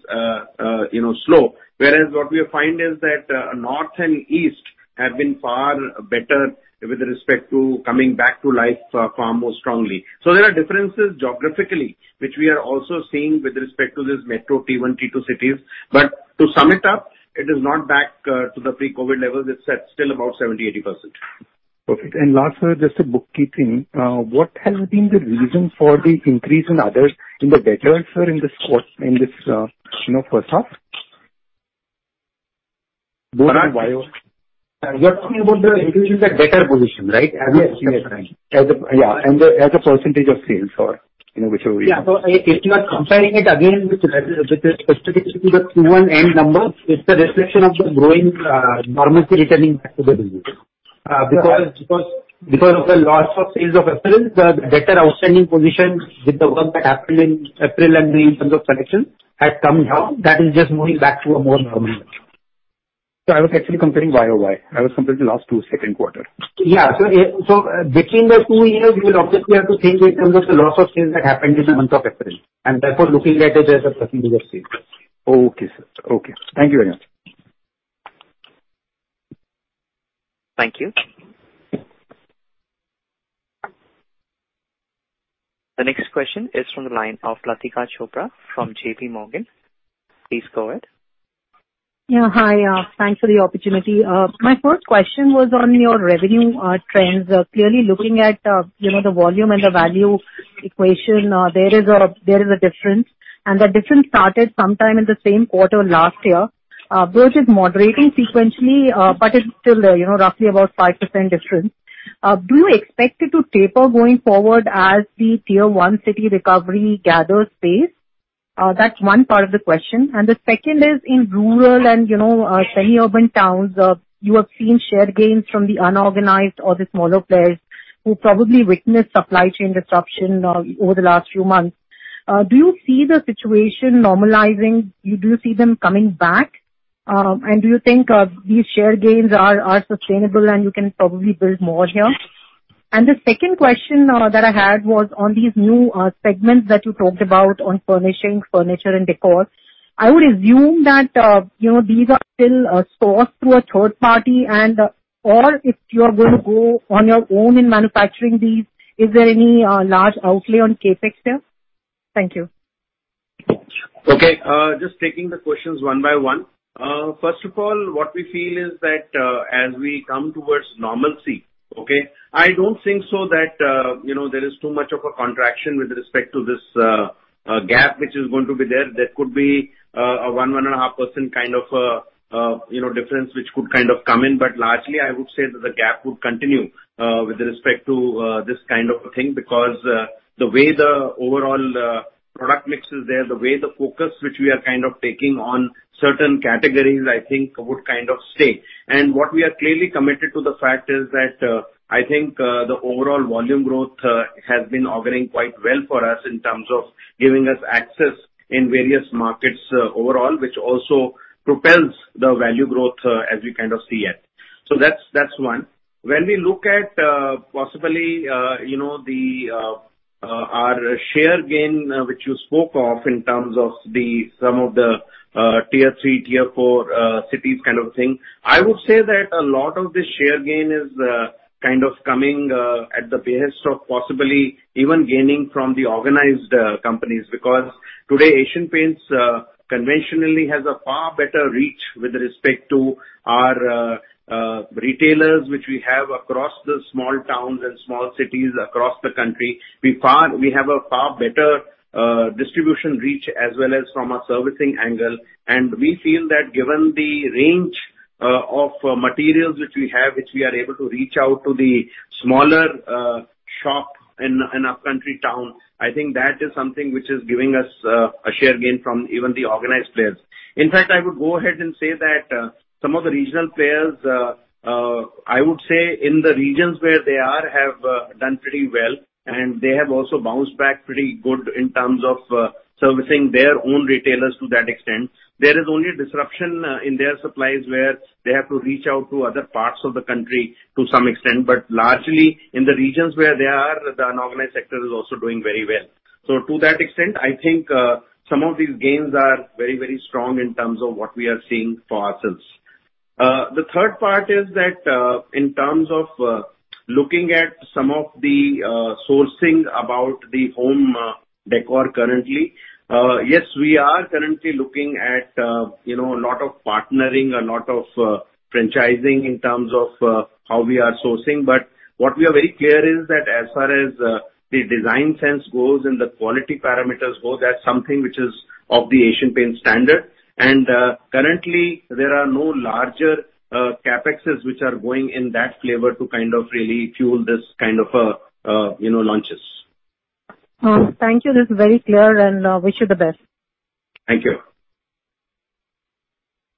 slow. What we find is that North and East have been far better with respect to coming back to life far more strongly. There are differences geographically, which we are also seeing with respect to this metro T1, T2 cities. To sum it up, it is not back to the pre-COVID levels. It's at still about 70%, 80%. Perfect. Last, sir, just a bookkeeping. What has been the reason for the increase in others in the debtors, sir, in this first half? Both in Y-o-Y. You're talking about the increase in the debtor position, right? As we see it. Yeah. As a percentage of sales or whichever way you want. If you are comparing it again with specifically the Q1 end number, it's a reflection of the growing normalcy returning back to the business. Because of the loss of sales of April, the debtor outstanding position with the work that happened in April and in terms of collection had come down. That is just moving back to a more normal position. I was actually comparing Y-o-Y. I was comparing the last two second quarter. Yeah. Between the two years, you will obviously have to think in terms of the loss of sales that happened in the month of April, and therefore looking at it as a percentage of sales. Okay, sir. Thank you very much. Thank you. The next question is from the line of Latika Chopra from JPMorgan. Please go ahead. Yeah. Hi. Thanks for the opportunity. My first question was on your revenue trends. Clearly, looking at the volume and the value equation, there is a difference, and that difference started sometime in the same quarter last year, which is moderating sequentially, but it's still roughly about 5% difference. Do you expect it to taper going forward as the Tier 1 city recovery gathers pace? That's one part of the question. The second is in rural and semi-urban towns, you have seen share gains from the unorganized or the smaller players who probably witnessed supply chain disruption over the last few months. Do you see the situation normalizing? Do you see them coming back? Do you think these share gains are sustainable and you can probably build more here? The second question that I had was on these new segments that you talked about on furnishing, furniture, and décor. I would assume that these are still sourced through a third party or if you are going to go on your own in manufacturing these, is there any large outlay on CapEx there? Thank you. Okay. Just taking the questions one by one. First of all, what we feel is that, as we come towards normalcy, okay, I don't think so that there is too much of a contraction with respect to this gap which is going to be there. There could be a one and a half % kind of difference, which could kind of come in. Largely, I would say that the gap would continue with respect to this kind of a thing, because the way the overall product mix is there, the way the focus which we are kind of taking on certain categories, I think, would kind of stay. What we are clearly committed to the fact is that, I think, the overall volume growth has been auguring quite well for us in terms of giving us access in various markets overall, which also propels the value growth, as we kind of see it. That's one. When we look at possibly our share gain, which you spoke of in terms of some of the Tier 3, Tier 4 cities kind of thing, I would say that a lot of the share gain is kind of coming at the behest of possibly even gaining from the organized companies. Today, Asian Paints conventionally has a far better reach with respect to our retailers, which we have across the small towns and small cities across the country. We have a far better distribution reach as well as from a servicing angle. We feel that given the range of materials which we have, which we are able to reach out to the smaller shop in a country town, I think that is something which is giving us a share gain from even the organized players. In fact, I would go ahead and say that some of the regional players, I would say, in the regions where they are, have done pretty well. They have also bounced back pretty good in terms of servicing their own retailers to that extent. There is only disruption in their supplies where they have to reach out to other parts of the country to some extent. Largely, in the regions where they are, the unorganized sector is also doing very well. To that extent, I think some of these gains are very strong in terms of what we are seeing for ourselves. The third part is that, in terms of looking at some of the sourcing about the home décor currently. Yes, we are currently looking at a lot of partnering, a lot of franchising in terms of how we are sourcing, but what we are very clear is that as far as the design sense goes and the quality parameters go, that's something which is of the Asian Paints standard. Currently, there are no larger CapEx which are going in that flavor to kind of really fuel this kind of launches. Thank you. This is very clear, and wish you the best. Thank you.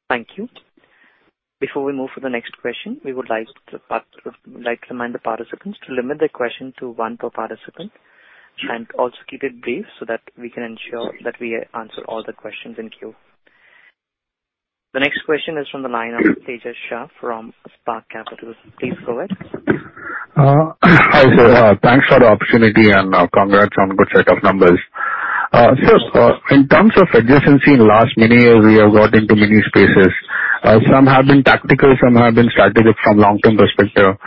Thank you. Before we move to the next question, we would like to remind the participants to limit their question to one per participant, also keep it brief so that we can ensure that we answer all the questions in queue. The next question is from the line of Tejas Shah from Spark Capital. Please go ahead. Hi. Thanks for the opportunity and congrats on good set of numbers. Sir, in terms of adjacency in last many years, we have got into many spaces. Some have been tactical, some have been strategic from long-term perspective.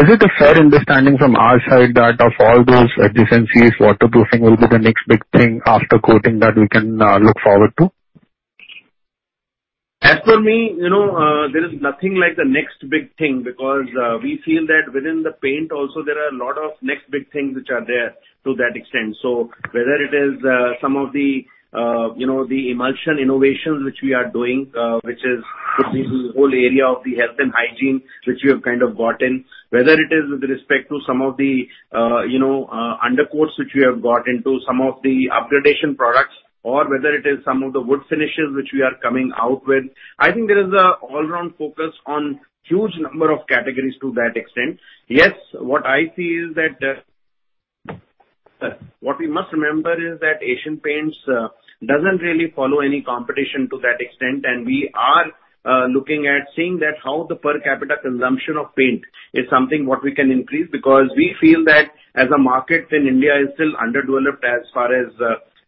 Is it a fair understanding from our side that of all those adjacencies, waterproofing will be the next big thing after coating that we can look forward to? As for me, there is nothing like the next big thing, because we feel that within the paint also, there are a lot of next big things which are there to that extent. Whether it is some of the emulsion innovations which we are doing, which is the whole area of the health and hygiene, which we have kind of got in. Whether it is with respect to some of the undercoats which we have got into, some of the upgradation products, or whether it is some of the wood finishes which we are coming out with. I think there is an all-round focus on huge number of categories to that extent. Yes, what I see is that what we must remember is that Asian Paints doesn't really follow any competition to that extent, and we are looking at seeing that how the per capita consumption of paint is something what we can increase, because we feel that as a market in India is still underdeveloped as far as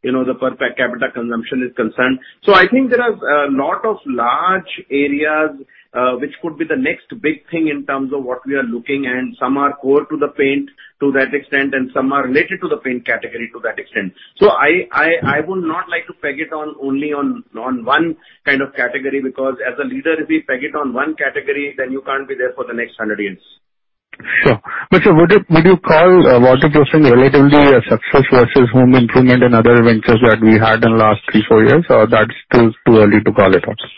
the per capita consumption is concerned. I think there are a lot of large areas which could be the next big thing in terms of what we are looking, and some are core to the paint to that extent, and some are related to the paint category to that extent. I would not like to peg it only on one kind of category, because as a leader, if we peg it on one category, then you can't be there for the next hundred years. Sure. Mr. Amit, would you call waterproofing relatively a success versus home improvement and other ventures that we had in the last three, four years, or that's still too early to call it also?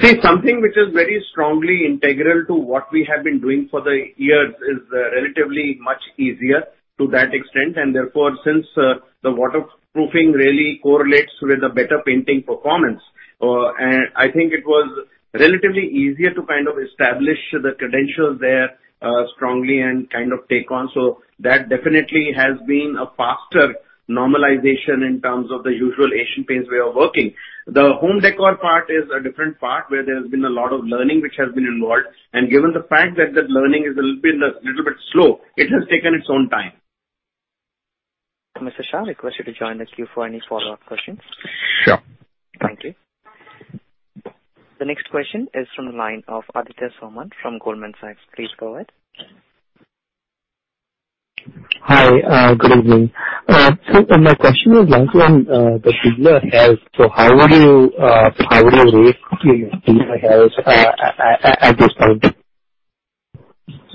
See, something which is very strongly integral to what we have been doing for the years is relatively much easier to that extent, and therefore, since the waterproofing really correlates with the better painting performance. I think it was relatively easier to kind of establish the credentials there strongly and kind of take on. That definitely has been a faster normalization in terms of the usual Asian Paints way of working. The home decor part is a different part, where there has been a lot of learning which has been involved, and given the fact that that learning has been a little bit slow, it has taken its own time. Mr. Shah, I request you to join the queue for any follow-up questions. Sure. Thank you. The next question is from the line of Aditya Soman from Goldman Sachs. Please go ahead. Hi. Good evening. My question is largely on the dealer health. How would you rate your dealer health at this point?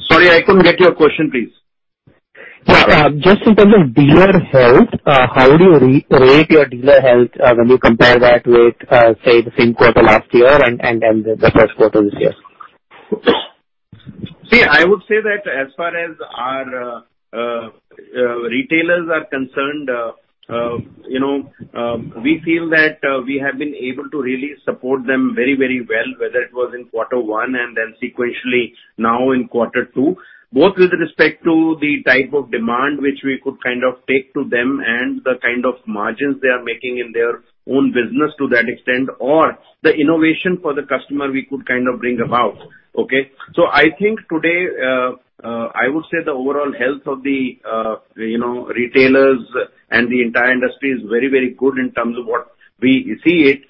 Sorry, I couldn't get your question, please. Just in terms of dealer health, how do you rate your dealer health when you compare that with, say, the same quarter last year and then the first quarter this year? See, I would say that as far as our retailers are concerned, we feel that we have been able to really support them very well, whether it was in Q1 and then sequentially now in Q2, both with respect to the type of demand which we could kind of take to them and the kind of margins they are making in their own business to that extent, or the innovation for the customer we could kind of bring about. Okay. I think today, I would say the overall health of the retailers and the entire industry is very good in terms of what we see it.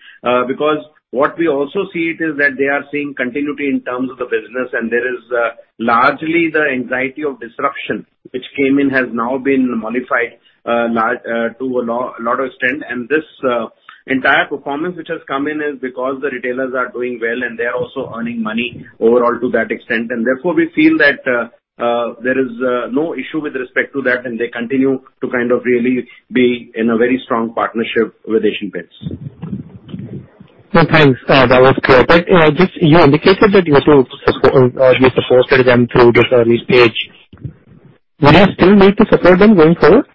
What we also see it is that they are seeing continuity in terms of the business, and there is largely the anxiety of disruption which came in, has now been modified to a lot of extent. This entire performance which has come in is because the retailers are doing well, and they are also earning money overall to that extent. Therefore, we feel that there is no issue with respect to that, and they continue to kind of really be in a very strong partnership with Asian Paints. Thanks. That was clear. You indicated that you had to support them through this early stage. Do you still need to support them going forward?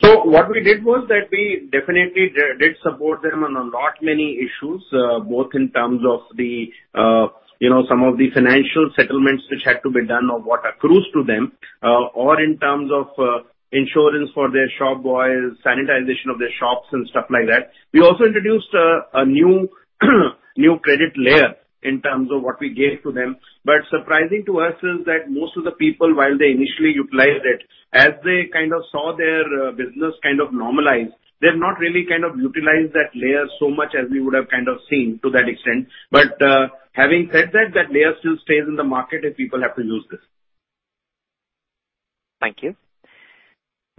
What we did was that we definitely did support them on a lot many issues, both in terms of some of the financial settlements which had to be done or what accrues to them, or in terms of insurance for their shop boys, sanitization of their shops and stuff like that. We also introduced a new credit layer in terms of what we gave to them. Surprising to us is that most of the people, while they initially utilized it, as they kind of saw their business kind of normalize, they've not really kind of utilized that layer so much as we would have kind of seen to that extent. Having said that layer still stays in the market if people have to use this. Thank you.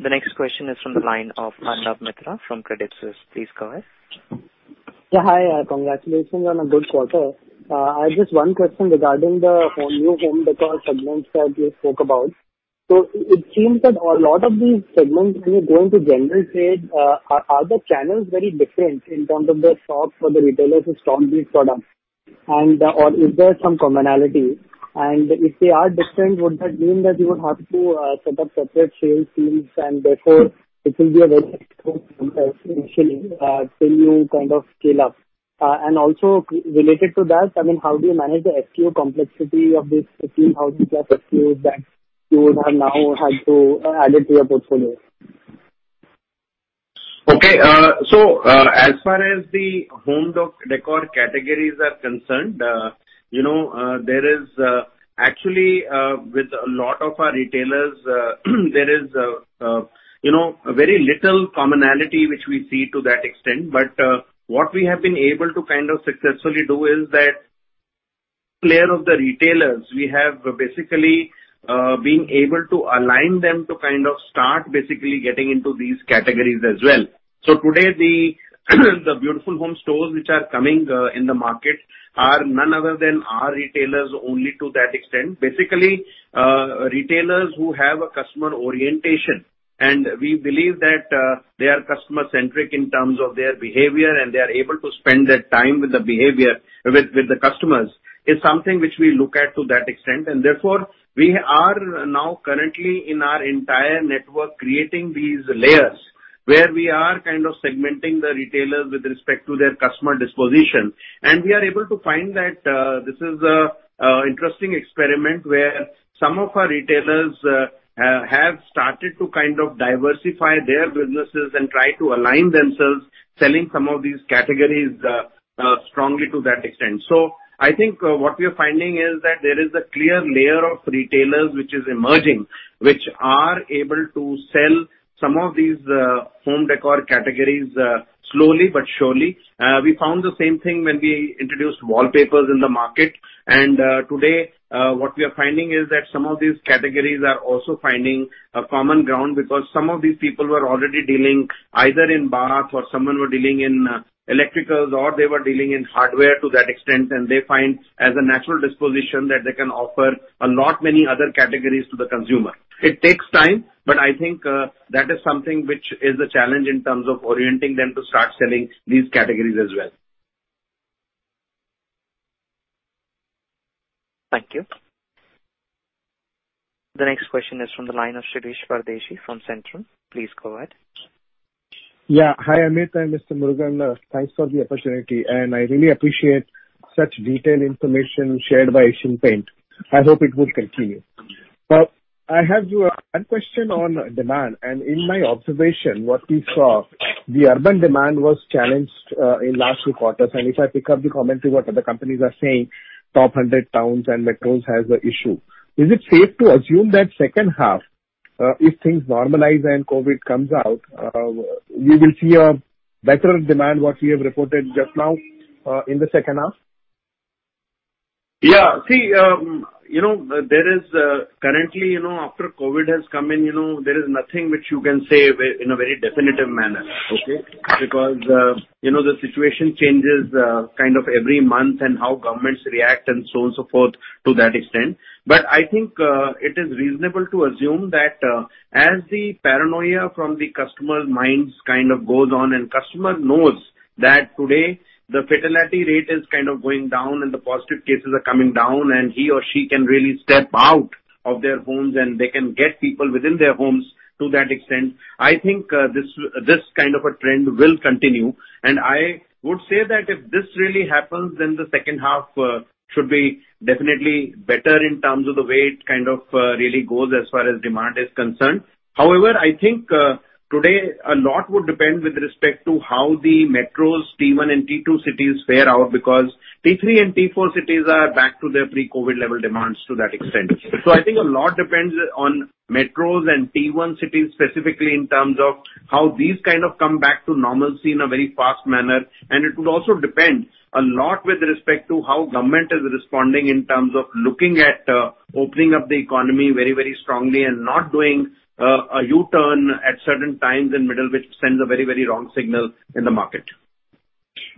The next question is from the line of Arnab Mitra from Credit Suisse. Please go ahead. Yeah, hi. Congratulations on a good quarter. I've just one question regarding the new home decor segments that you spoke about. It seems that a lot of these segments, when you're going to general trade, are the channels very different in terms of the stocks for the retailers who stock these products, or is there some commonality? If they are different, would that mean that you would have to set up separate sales teams, and therefore it will be a very expensive initially till you kind of scale up? Also related to that, I mean, how do you manage the SKU complexity of these 1,500 plus SKUs that you would have now had to add it to your portfolio? Okay. As far as the home decor categories are concerned, actually with a lot of our retailers, there is very little commonality, which we see to that extent. What we have been able to kind of successfully do is that layer of the retailers, we have basically been able to align them to kind of start basically getting into these categories as well. Today, the Beautiful Homes Stores which are coming in the market are none other than our retailers only to that extent. Basically, retailers who have a customer orientation, and we believe that they are customer-centric in terms of their behavior, and they are able to spend that time with the customers, is something which we look at to that extent. Therefore, we are now currently in our entire network, creating these layers where we are kind of segmenting the retailers with respect to their customer disposition. We are able to find that this is an interesting experiment where some of our retailers have started to kind of diversify their businesses and try to align themselves, selling some of these categories strongly to that extent. I think what we're finding is that there is a clear layer of retailers which is emerging, which are able to sell some of these home décor categories slowly but surely. We found the same thing when we introduced wallpapers in the market. Today, what we are finding is that some of these categories are also finding a common ground because some of these people were already dealing either in baths or someone were dealing in electricals, or they were dealing in hardware to that extent, and they find as a natural disposition that they can offer a lot many other categories to the consumer. It takes time, I think that is something which is a challenge in terms of orienting them to start selling these categories as well. Thank you. The next question is from the line of Shirish Pardeshi from Centrum. Please go ahead. Yeah. Hi, Amit and Mr. Jeyamurugan. Thanks for the opportunity, I really appreciate such detailed information shared by Asian Paints. I hope it will continue. I have one question on demand, in my observation, what we saw, the urban demand was challenged in last few quarters. If I pick up the commentary, what other companies are saying, top 100 towns and metros has a issue. Is it safe to assume that second half, if things normalize and COVID comes out, we will see a better demand, what we have reported just now, in the second half? Yeah. Currently, after COVID has come in, there is nothing which you can say in a very definitive manner. Okay. The situation changes every month and how governments react, and so on, so forth to that extent. I think it is reasonable to assume that as the paranoia from the customers' minds kind of goes on and customer knows that today the fatality rate is going down and the positive cases are coming down, and he or she can really step out of their homes, and they can get people within their homes to that extent, I think this kind of a trend will continue. I would say that if this really happens, then the second half should be definitely better in terms of the way it really goes as far as demand is concerned. However, I think today a lot would depend with respect to how the metros T1 and T2 cities fare out, because T3 and T4 cities are back to their pre-COVID level demands to that extent. I think a lot depends on metros and T1 cities specifically in terms of how these come back to normalcy in a very fast manner. It would also depend a lot with respect to how government is responding in terms of looking at opening up the economy very strongly and not doing a U-turn at certain times in middle, which sends a very wrong signal in the market.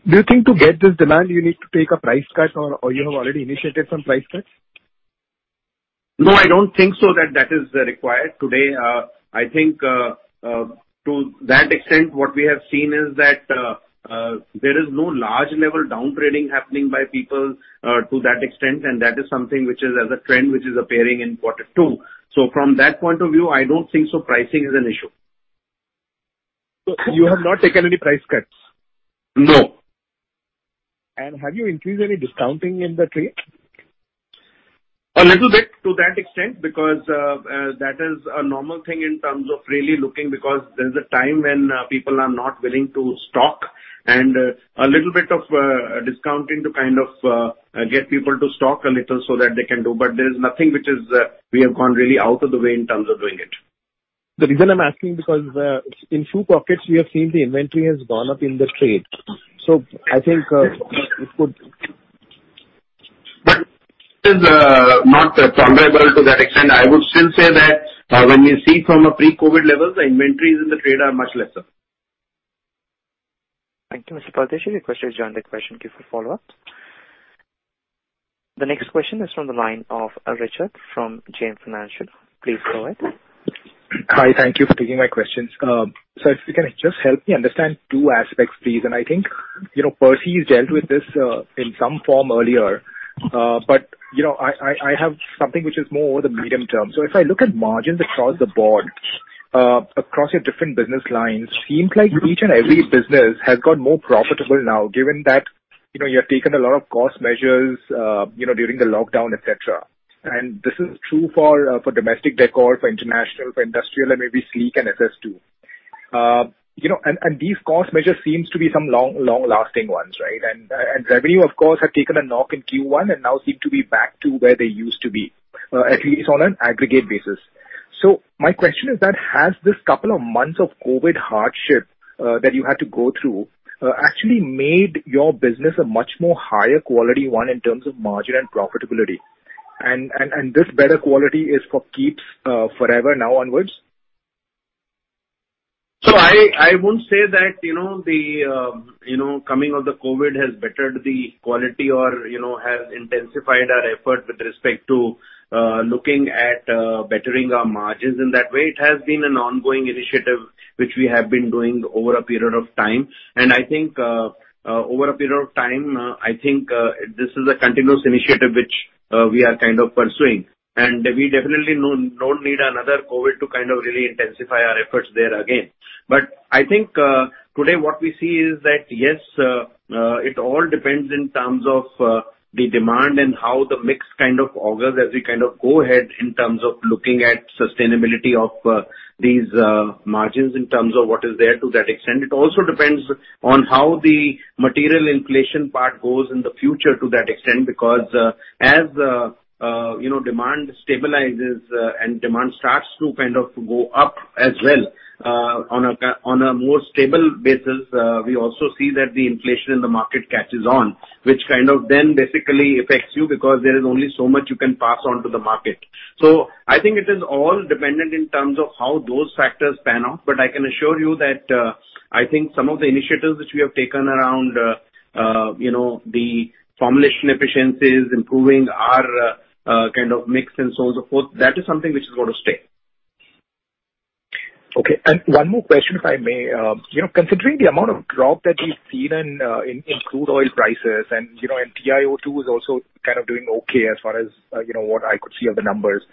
Do you think to get this demand, you need to take a price cut or you have already initiated some price cuts? No, I don't think so that is required today. I think to that extent, what we have seen is that there is no large level down-trading happening by people to that extent, and that is something which is as a trend which is appearing in Q2. From that point of view, I don't think so pricing is an issue. You have not taken any price cuts? No. Have you increased any discounting in the trade? A little bit to that extent, because that is a normal thing in terms of really looking because there's a time when people are not willing to stock and a little bit of discounting to get people to stock a little so that they can do. There is nothing which is we have gone really out of the way in terms of doing it. The reason I'm asking because in a few pockets we have seen the inventory has gone up in the trade. I think it could. This is not comparable to that extent. I would still say that when you see from a pre-COVID levels, the inventories in the trade are much lesser. Thank you, Mr. Pardeshi. Your question is your only question. Cue for follow-up. The next question is from the line of Richard from JM Financial. Please go ahead. Hi. Thank you for taking my questions. If you can just help me understand two aspects, please, and I think Percy's dealt with this in some form earlier. I have something which is more over the medium term. If I look at margins across the board, across your different business lines, seems like each and every business has got more profitable now, given that you have taken a lot of cost measures during the lockdown, et cetera. This is true for domestic decor, for international, for industrial, and maybe Sleek and Ess Ess too. These cost measures seems to be some long-lasting ones, right? Revenue, of course, has taken a knock in Q1 and now seem to be back to where they used to be, at least on an aggregate basis. My question is that has this couple of months of COVID hardship that you had to go through actually made your business a much more higher quality one in terms of margin and profitability? This better quality is for keeps forever now onwards? I won't say that the coming of the COVID has bettered the quality or has intensified our effort with respect to looking at bettering our margins in that way. It has been an ongoing initiative which we have been doing over a period of time. I think over a period of time, I think this is a continuous initiative which we are pursuing. We definitely don't need another COVID to really intensify our efforts there again. I think today what we see is that, yes, it all depends in terms of the demand and how the mix augurs as we go ahead in terms of looking at sustainability of these margins in terms of what is there to that extent. It also depends on how the material inflation part goes in the future to that extent because as demand stabilizes and demand starts to go up as well on a more stable basis, we also see that the inflation in the market catches on, which then basically affects you because there is only so much you can pass on to the market. I think it is all dependent in terms of how those factors pan out, but I can assure you that I think some of the initiatives which we have taken around the formulation efficiencies, improving our mix and so on, so forth, that is something which is going to stay. Okay. One more question, if I may. Considering the amount of drop that we've seen in crude oil prices and TiO2 is also kind of doing okay as far as what I could see of the numbers.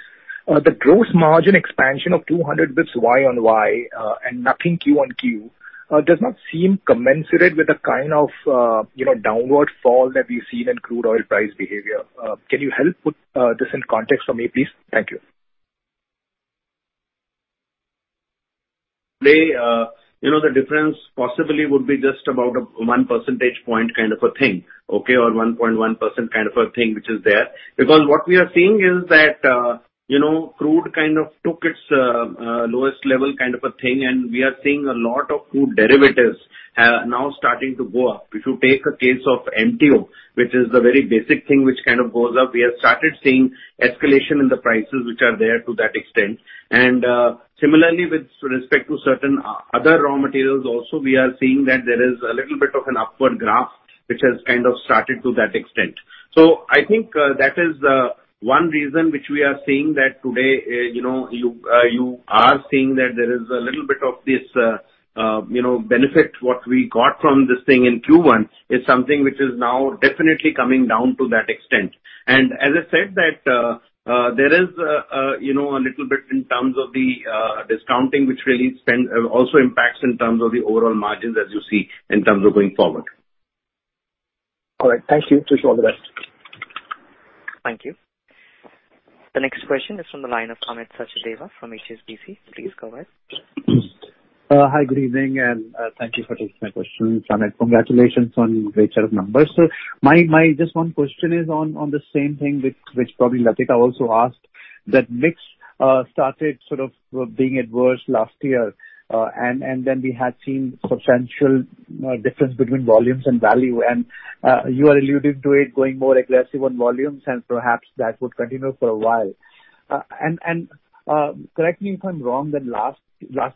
The gross margin expansion of 200 basis points Y-o-Y and nothing Q-o-Q, does not seem commensurate with the kind of downward fall that we've seen in crude oil price behavior. Can you help put this in context for me, please? Thank you. The difference possibly would be just about a one percentage point kind of a thing, okay? Or 1.1% kind of a thing which is there. Because what we are seeing is that crude kind of took its lowest level kind of a thing, and we are seeing a lot of crude derivatives are now starting to go up. If you take a case of MTO, which is the very basic thing which kind of goes up, we have started seeing escalation in the prices which are there to that extent. Similarly, with respect to certain other raw materials also, we are seeing that there is a little bit of an upward graph, which has kind of started to that extent. I think that is one reason which we are seeing that today, you are seeing that there is a little bit of this benefit what we got from this thing in Q1, is something which is now definitely coming down to that extent. As I said that, there is a little bit in terms of the discounting, which really also impacts in terms of the overall margins as you see in terms of going forward. All right. Thank you. Wish you all the best. Thank you. The next question is from the line of Amit Sachdeva from HSBC. Please go ahead. Hi, good evening, and thank you for taking my question. Amit, congratulations on a great set of numbers. Just one question is on the same thing which probably Latika also asked, that mix started sort of being adverse last year, and then we had seen substantial difference between volumes and value, and you are alluding to it going more aggressive on volumes and perhaps that would continue for a while. Correct me if I'm wrong, then last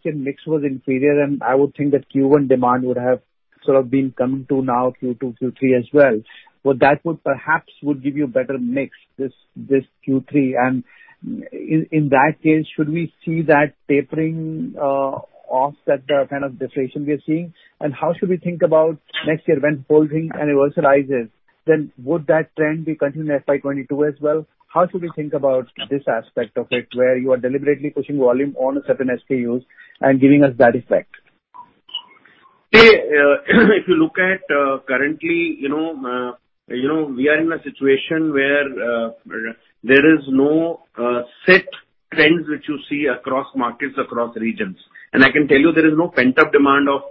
year mix was inferior, and I would think that Q1 demand would have sort of been coming to now Q2, Q3 as well. Would that perhaps would give you a better mix this Q3? In that case, should we see that tapering off that kind of deflation we are seeing? How should we think about next year when whole thing universalizes, then would that trend be continued FY 2022 as well? How should we think about this aspect of it, where you are deliberately pushing volume on a certain SKUs and giving us that effect? See, if you look at currently, we are in a situation where there is no set trends which you see across markets, across regions. I can tell you there is no pent-up demand of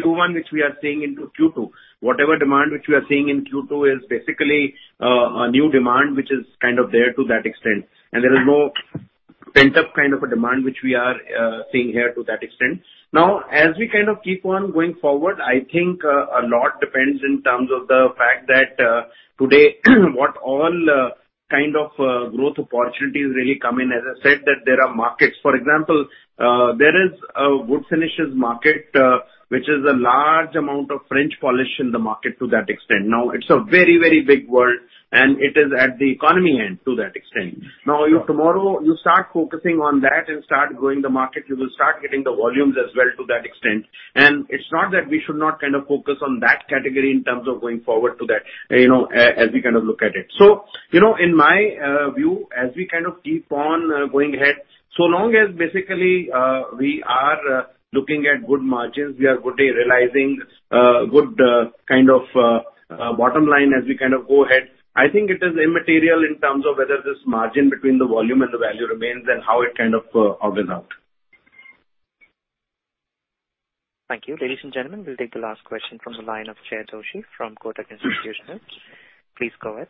Q1 which we are seeing into Q2. Whatever demand which we are seeing in Q2 is basically a new demand which is kind of there to that extent. There is no pent-up kind of a demand which we are seeing here to that extent. Now, as we kind of keep on going forward, I think a lot depends in terms of the fact that today, what all kind of growth opportunities really come in. As I said, that there are markets. For example, there is a wood finishes market, which is a large amount of French polish in the market to that extent. It's a very, very big world, and it is at the economy end to that extent. If tomorrow you start focusing on that and start growing the market, you will start getting the volumes as well to that extent. It's not that we should not kind of focus on that category in terms of going forward to that, as we kind of look at it. In my view, as we kind of keep on going ahead, so long as basically we are looking at good margins, we are good realizing a good kind of bottom line as we kind of go ahead. I think it is immaterial in terms of whether this margin between the volume and the value remains and how it kind of balances out. Thank you. Ladies and gentlemen, we'll take the last question from the line of Jay Doshi from Kotak Institutional. Please go ahead.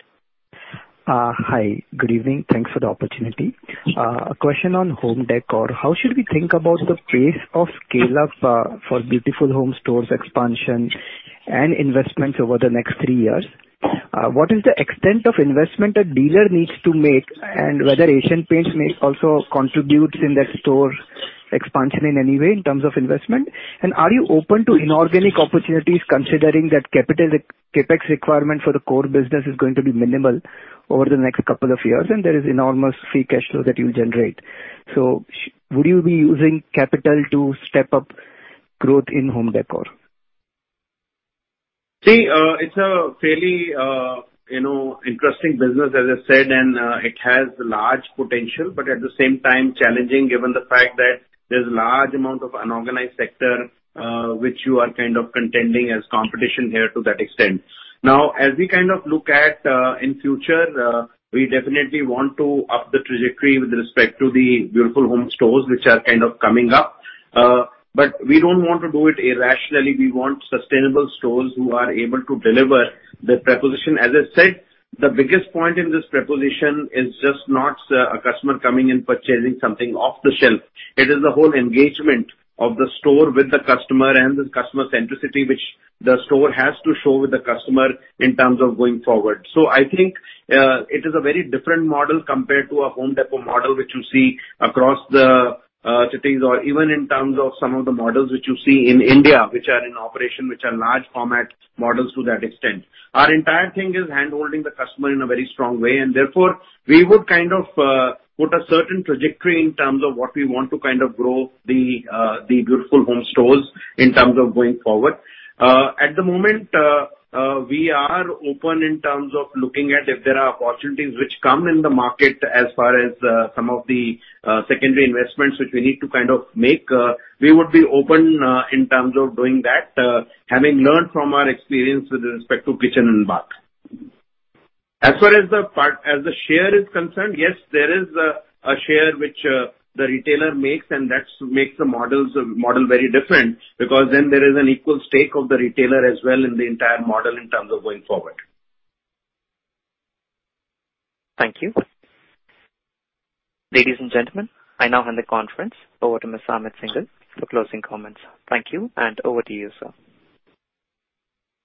Hi. Good evening. Thanks for the opportunity. A question on home decor. How should we think about the pace of scale-up for Beautiful Homes Stores expansion and investments over the next three years? What is the extent of investment a dealer needs to make and whether Asian Paints may also contribute in that store expansion in any way in terms of investment? Are you open to inorganic opportunities considering that CapEx requirement for the core business is going to be minimal over the next couple of years, and there is enormous free cash flow that you generate. Would you be using capital to step up growth in home decor? It's a fairly interesting business, as I said, and it has large potential, but at the same time challenging given the fact that there's large amount of unorganized sector which you are kind of contending as competition here to that extent. As we kind of look at in future, we definitely want to up the trajectory with respect to the Beautiful Homes Stores, which are kind of coming up. We don't want to do it irrationally. We want sustainable stores who are able to deliver the proposition. As I said, the biggest point in this proposition is just not a customer coming in purchasing something off the shelf. It is the whole engagement of the store with the customer and the customer centricity, which the store has to show with the customer in terms of going forward. I think it is a very different model compared to a Home Depot model, which you see across the cities, or even in terms of some of the models which you see in India, which are in operation, which are large format models to that extent. Our entire thing is handholding the customer in a very strong way, and therefore, we would kind of put a certain trajectory in terms of what we want to kind of grow the Beautiful Homes Stores in terms of going forward. At the moment, we are open in terms of looking at if there are opportunities which come in the market as far as some of the secondary investments which we need to kind of make. We would be open in terms of doing that, having learned from our experience with respect to Kitchen and Bath. As far as the share is concerned, yes, there is a share which the retailer makes, and that makes the model very different because then there is an equal stake of the retailer as well in the entire model in terms of going forward. Thank you. Ladies and gentlemen, I now hand the conference over to Mr. Amit Syngle for closing comments. Thank you and over to you, sir.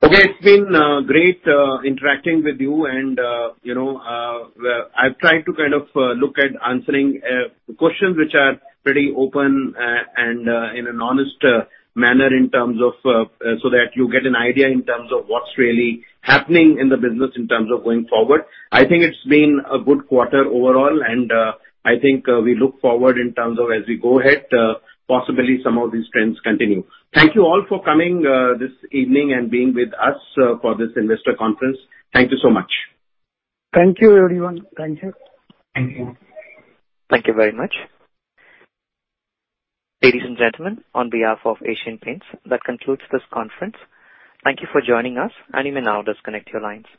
Okay. It's been great interacting with you and I've tried to kind of look at answering questions which are pretty open and in an honest manner so that you get an idea in terms of what's really happening in the business in terms of going forward. I think it's been a good quarter overall, and I think we look forward in terms of as we go ahead, possibly some of these trends continue. Thank you all for coming this evening and being with us for this investor conference. Thank you so much. Thank you, everyone. Thank you. Thank you very much. Ladies and gentlemen, on behalf of Asian Paints, that concludes this conference. Thank you for joining us, and you may now disconnect your lines.